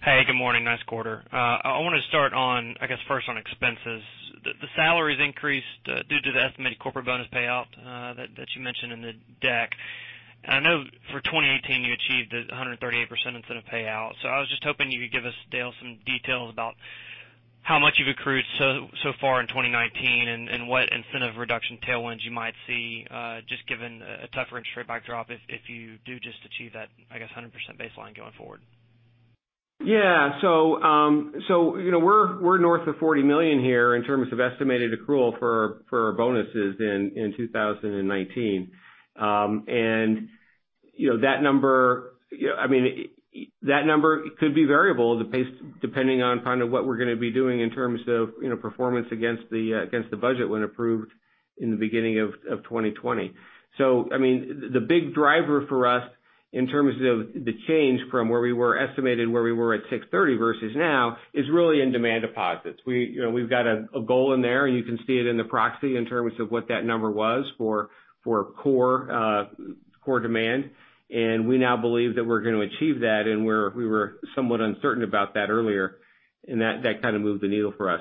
Hey, good morning. Nice quarter. I want to start on, I guess, first on expenses. The salaries increased due to the estimated corporate bonus payout that you mentioned in the deck. I know for 2018, you achieved the 138% incentive payout. I was just hoping you could give us, Dale, some details about how much you've accrued so far in 2019 and what incentive reduction tailwinds you might see, just given a tougher interest rate backdrop if you do just achieve that, I guess, 100% baseline going forward. We're north of $40 million here in terms of estimated accrual for bonuses in 2019. That number could be variable depending on kind of what we're going to be doing in terms of performance against the budget when approved in the beginning of 2020. The big driver for us in terms of the change from where we were estimated, where we were at 630 versus now, is really in demand deposits. We've got a goal in there, and you can see it in the proxy in terms of what that number was for core demand. We now believe that we're going to achieve that. We were somewhat uncertain about that earlier, and that kind of moved the needle for us.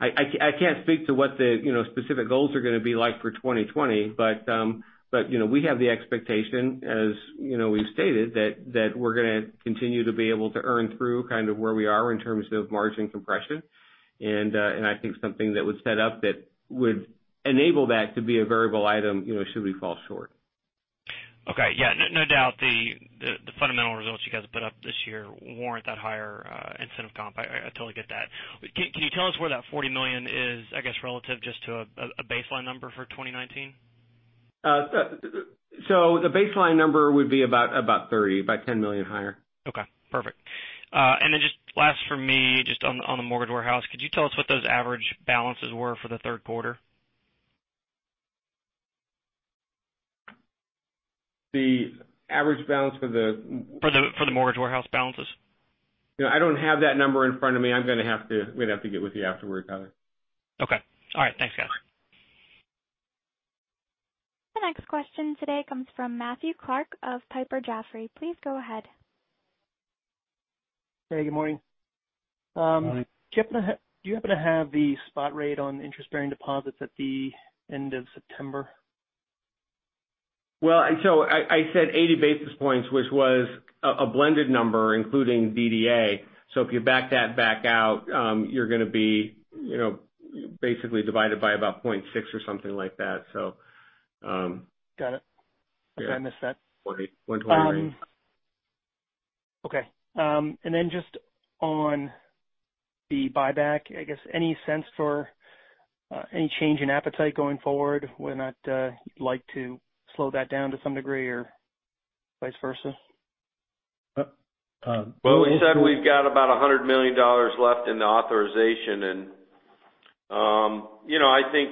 I can't speak to what the specific goals are going to be like for 2020. We have the expectation, as we've stated, that we're going to continue to be able to earn through kind of where we are in terms of margin compression. I think something that would set up that would enable that to be a variable item should we fall short. Okay. Yeah, no doubt the fundamental results you guys put up this year warrant that higher incentive comp. I totally get that. Can you tell us where that $40 million is, I guess, relative just to a baseline number for 2019? The baseline number would be about $30. About $10 million higher. Okay, perfect. Then just last for me, just on the mortgage warehouse, could you tell us what those average balances were for the third quarter? The average balance for. For the mortgage warehouse balances. I don't have that number in front of me. I'm going to have to get with you afterward, Tyler. Okay. All right. Thanks, guys. The next question today comes from Matthew Clark of Piper Jaffray. Please go ahead. Hey, good morning. Morning. Do you happen to have the spot rate on interest-bearing deposits at the end of September? Well, I said 80 basis points, which was a blended number, including DDA. If you back that back out, you're going to be basically divided by about 0.6 or something like that. Got it. I missed that. 1.29. Okay. Just on the buyback, I guess any sense for any change in appetite going forward? Would not like to slow that down to some degree or vice versa? Well, we said we've got about $100 million left in the authorization. I think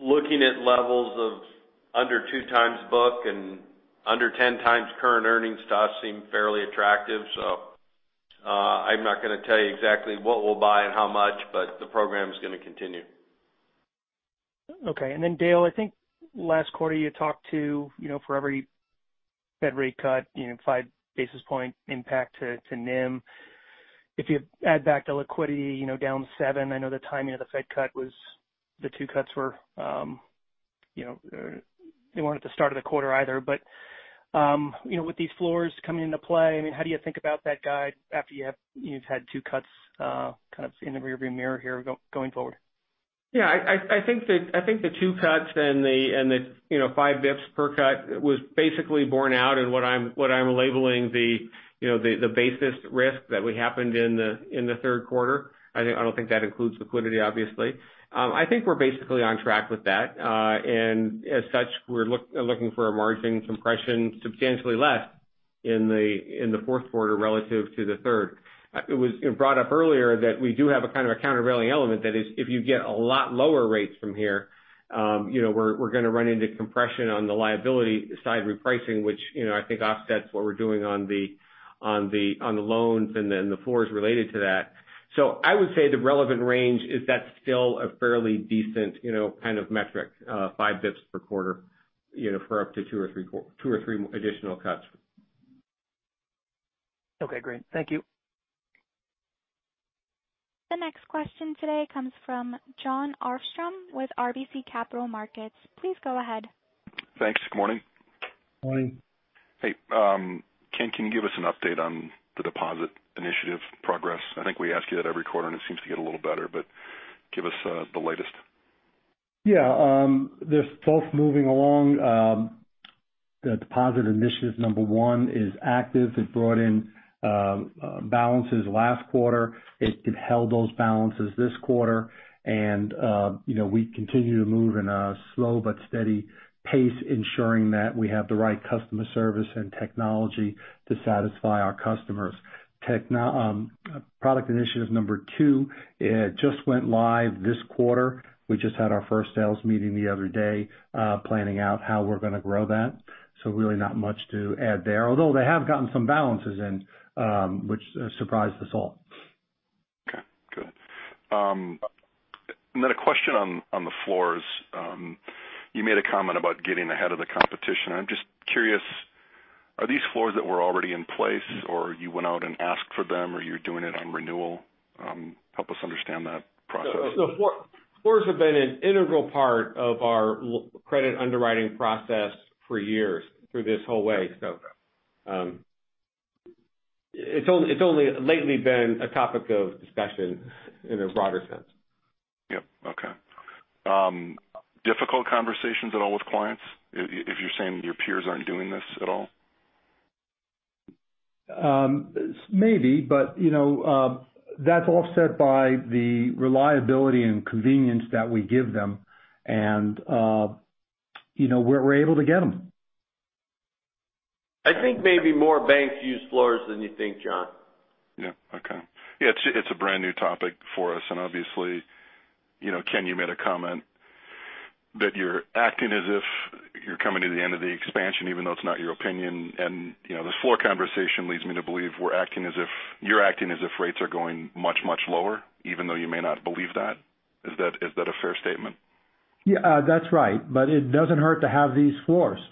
looking at levels of under two times book and under 10 times current earnings stocks seem fairly attractive. I'm not going to tell you exactly what we'll buy and how much, but the program is going to continue. Okay. Dale, I think last quarter you talked to for every Fed rate cut, five basis point impact to NIM. If you add back the liquidity down seven, I know the timing of the Fed cut was the two cuts weren't at the start of the quarter either. With these floors coming into play, how do you think about that guide after you've had two cuts kind of in the rear view mirror here going forward? I think the two cuts and the 5 bps per cut was basically borne out in what I'm labeling the basis risk that happened in the third quarter. I don't think that includes liquidity, obviously. I think we're basically on track with that. As such, we're looking for a margin compression substantially less in the fourth quarter relative to the third. It was brought up earlier that we do have a kind of a countervailing element that is, if you get a lot lower rates from here, we're going to run into compression on the liability side repricing, which I think offsets what we're doing on the loans and then the floors related to that. I would say the relevant range is that still a fairly decent kind of metric, 5 bps per quarter for up to two or three additional cuts. Okay, great. Thank you. The next question today comes from Jon Arfstrom with RBC Capital Markets. Please go ahead. Thanks. Good morning. Morning. Hey. Ken, can you give us an update on the deposit initiative progress? I think we ask you that every quarter. It seems to get a little better. Give us the latest. Yeah. They're both moving along. The deposit initiative number one is active. It brought in balances last quarter. It held those balances this quarter. We continue to move in a slow but steady pace, ensuring that we have the right customer service and technology to satisfy our customers. Product initiative number two just went live this quarter. We just had our first sales meeting the other day planning out how we're going to grow that. Really not much to add there, although they have gotten some balances in which surprised us all. Okay, good. A question on the floors. You made a comment about getting ahead of the competition. I'm just curious, are these floors that were already in place or you went out and asked for them, or you're doing it on renewal? Help us understand that process. Floors have been an integral part of our credit underwriting process for years through this whole way, so it's only lately been a topic of discussion in a broader sense. Yep. Okay. Difficult conversations at all with clients if you're saying your peers aren't doing this at all? Maybe, but that's offset by the reliability and convenience that we give them and we're able to get them. I think maybe more banks use floors than you think, Jon. Yeah. Okay. Yeah, it's a brand-new topic for us, and obviously, Ken, you made a comment that you're acting as if you're coming to the end of the expansion even though it's not your opinion. This floor conversation leads me to believe you're acting as if rates are going much, much lower even though you may not believe that. Is that a fair statement? Yeah. That's right. It doesn't hurt to have these floors. Yeah.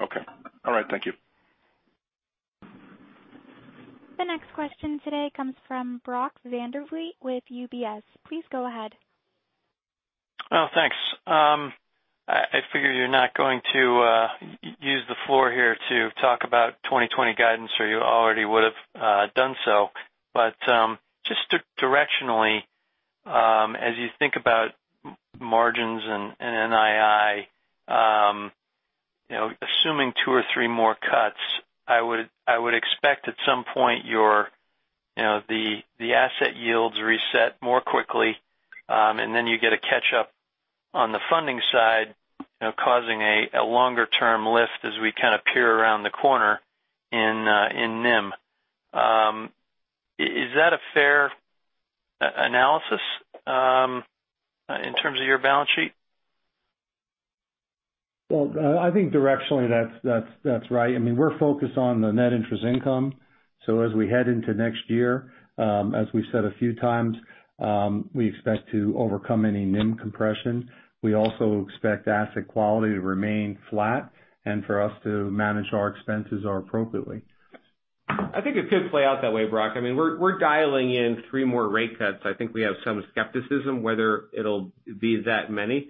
Okay. All right. Thank you. The next question today comes from Brock Vandervliet with UBS. Please go ahead. Thanks. I figured you're not going to use the floor here to talk about 2020 guidance, or you already would have done so. Just directionally, as you think about margins and NII, assuming two or three more cuts, I would expect at some point the asset yields reset more quickly, and then you get a catch-up on the funding side, causing a longer-term lift as we kind of peer around the corner in NIM. Is that a fair analysis in terms of your balance sheet? Well, I think directionally that's right. We're focused on the net interest income. As we head into next year, as we've said a few times, we expect to overcome any NIM compression. We also expect asset quality to remain flat and for us to manage our expenses appropriately. I think it could play out that way, Brock. We're dialing in three more rate cuts. I think we have some skepticism whether it'll be that many,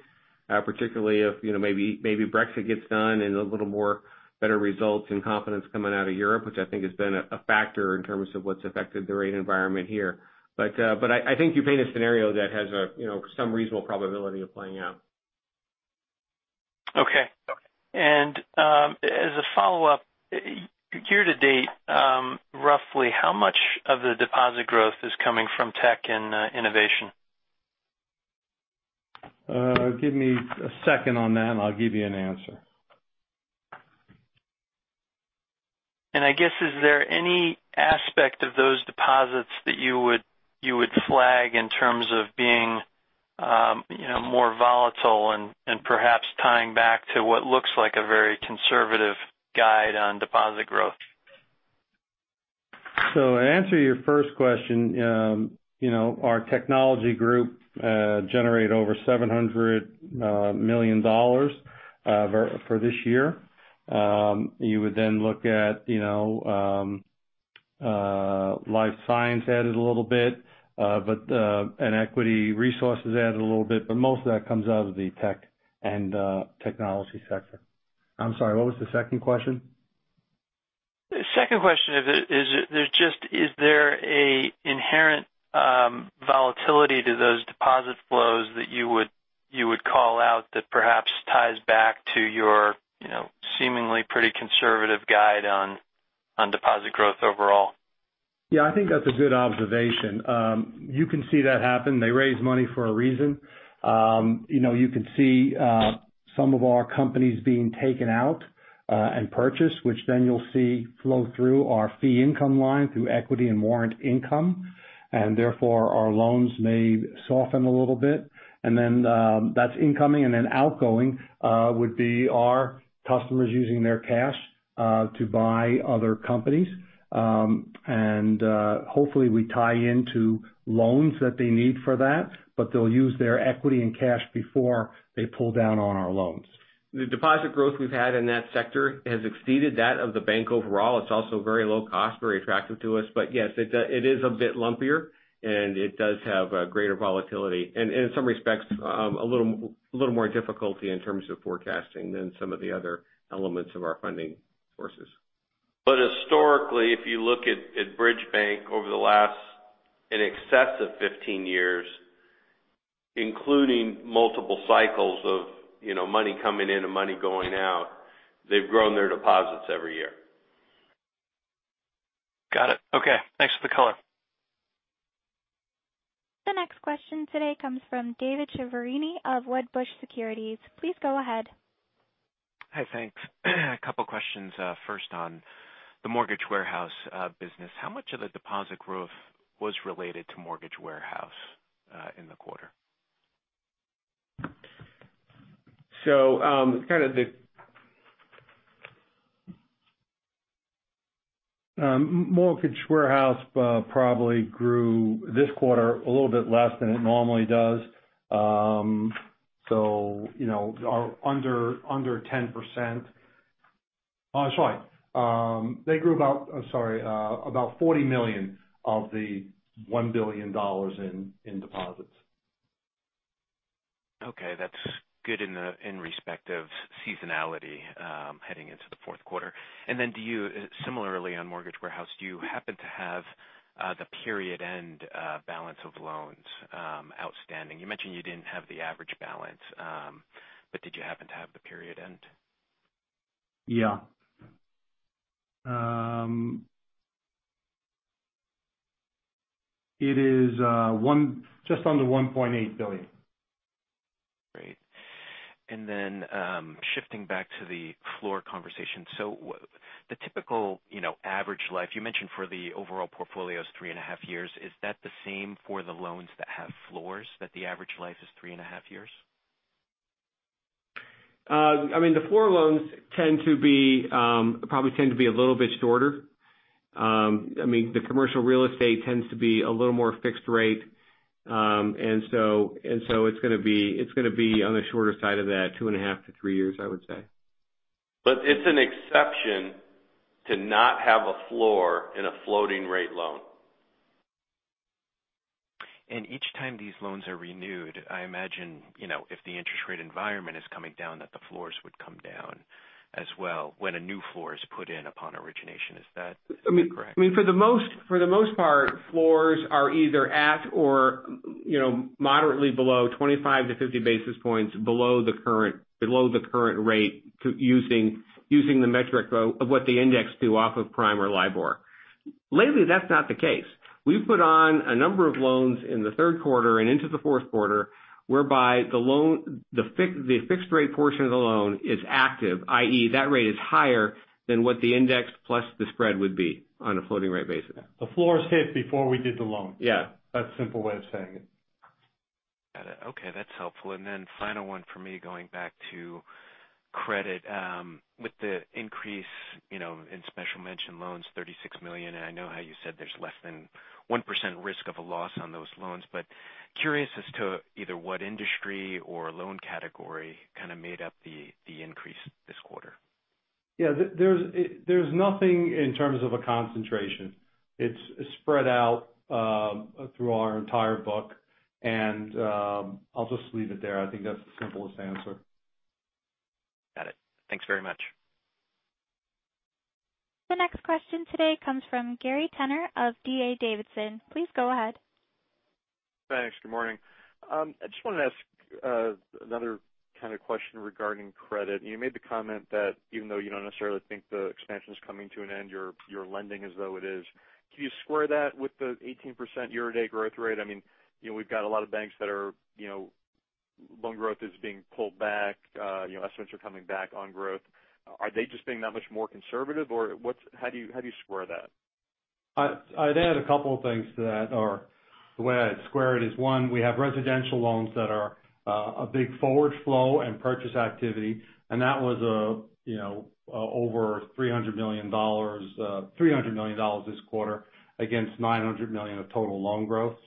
particularly if maybe Brexit gets done and a little more better results and confidence coming out of Europe, which I think has been a factor in terms of what's affected the rate environment here. I think you paint a scenario that has some reasonable probability of playing out. Okay. As a follow-up, year to date, roughly how much of the deposit growth is coming from tech and innovation? Give me a second on that, and I'll give you an answer. I guess is there any aspect of those deposits that you would flag in terms of being more volatile and perhaps tying back to what looks like a very conservative guide on deposit growth? To answer your first question, our technology group generated over $700 million for this year. You would then look at life science added a little bit, and equity resources added a little bit, but most of that comes out of the tech and technology sector. I'm sorry, what was the second question? The second question is just is there an inherent volatility to those deposit flows that you would call out that perhaps ties back to your seemingly pretty conservative guide on deposit growth overall? Yeah, I think that's a good observation. You can see that happen. They raise money for a reason. You can see some of our companies being taken out and purchased, which then you'll see flow through our fee income line through equity and warrant income. Therefore, our loans may soften a little bit. That's incoming and then outgoing would be our customers using their cash to buy other companies. Hopefully we tie into loans that they need for that, but they'll use their equity and cash before they pull down on our loans. The deposit growth we've had in that sector has exceeded that of the bank overall. It's also very low cost, very attractive to us. Yes, it is a bit lumpier, and it does have a greater volatility. In some respects, a little more difficulty in terms of forecasting than some of the other elements of our funding sources. Historically, if you look at Bridge Bank over the last in excess of 15 years, including multiple cycles of money coming in and money going out, they've grown their deposits every year. Got it. Okay. Thanks for the color. The next question today comes from David Chiaverini of Wedbush Securities. Please go ahead. Hi. Thanks. A couple of questions. First, on the mortgage warehouse business. How much of the deposit growth was related to mortgage warehouse in the quarter? So kind of the-- Mortgage warehouse probably grew this quarter a little bit less than it normally does. Under 10%. Sorry. They grew about $40 million of the $1 billion in deposits. Okay. That's good in respect of seasonality heading into the fourth quarter. Similarly on mortgage warehouse, do you happen to have the period-end balance of loans outstanding? You mentioned you didn't have the average balance. Did you happen to have the period end? Yeah. It is just under $1.8 billion. Great. Shifting back to the floor conversation. The typical average life you mentioned for the overall portfolio is three and a half years. Is that the same for the loans that have floors, that the average life is three and a half years? The floor loans probably tend to be a little bit shorter. The commercial real estate tends to be a little more fixed rate. It's going to be on the shorter side of that two and a half to three years, I would say. It's an exception to not have a floor in a floating rate loan. Each time these loans are renewed, I imagine, if the interest rate environment is coming down, that the floors would come down as well when a new floor is put in upon origination. Is that correct? For the most part, floors are either at or moderately below 25-50 basis points below the current rate using the metric of what the indexed to off of Prime or LIBOR. Lately, that's not the case. We've put on a number of loans in the third quarter and into the fourth quarter, whereby the fixed rate portion of the loan is active, i.e., that rate is higher than what the index plus the spread would be on a floating rate basis. The floors hit before we did the loan. Yeah. That's a simple way of saying it. Got it. Okay. That's helpful. Final one for me, going back to credit. With the increase in special mention loans, $36 million, and I know how you said there's less than 1% risk of a loss on those loans, but curious as to either what industry or loan category kind of made up the increase this quarter. Yeah, there's nothing in terms of a concentration. It's spread out through our entire book, and I'll just leave it there. I think that's the simplest answer. Got it. Thanks very much. The next question today comes from Gary Tenner of D.A. Davidson. Please go ahead. Thanks. Good morning. I just wanted to ask another kind of question regarding credit. You made the comment that even though you don't necessarily think the expansion's coming to an end, you're lending as though it is. Can you square that with the 18% year-to-date growth rate? We've got a lot of banks, loan growth is being pulled back. Estimates are coming back on growth. Are they just being that much more conservative, or how do you square that? I'd add a couple of things to that. The way I'd square it is, one, we have residential loans that are a big forward flow and purchase activity, and that was over $300 million this quarter against $900 million of total loan growth.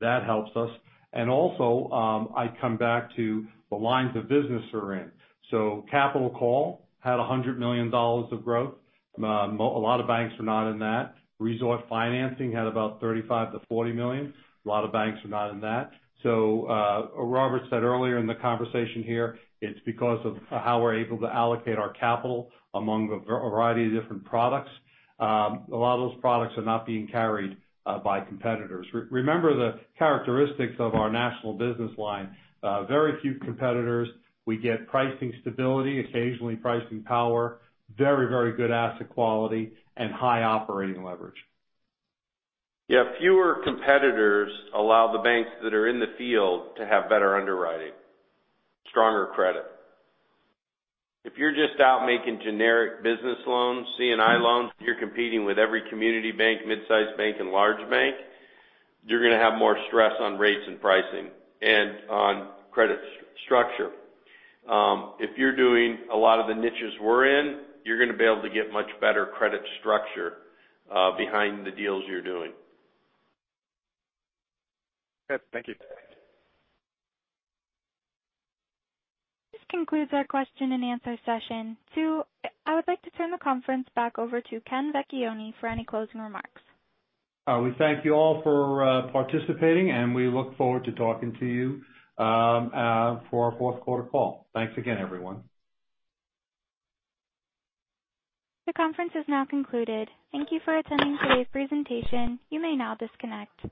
That helps us. I come back to the lines of business we're in. Capital call had $100 million of growth. A lot of banks are not in that. Resort financing had about $35 million-$40 million. A lot of banks are not in that. Robert said earlier in the conversation here, it's because of how we're able to allocate our capital among a variety of different products. A lot of those products are not being carried by competitors. Remember the characteristics of our national business line. Very few competitors. We get pricing stability, occasionally pricing power, very good asset quality, and high operating leverage. Yeah. Fewer competitors allow the banks that are in the field to have better underwriting, stronger credit. If you're just out making generic business loans, C&I loans, you're competing with every community bank, mid-size bank and large bank, you're going to have more stress on rates and pricing and on credit structure. If you're doing a lot of the niches we're in, you're going to be able to get much better credit structure behind the deals you're doing. Yes. Thank you. This concludes our question and answer session. I would like to turn the conference back over to Ken Vecchione for any closing remarks. We thank you all for participating, we look forward to talking to you for our fourth quarter call. Thanks again, everyone. The conference is now concluded. Thank you for attending today's presentation. You may now disconnect.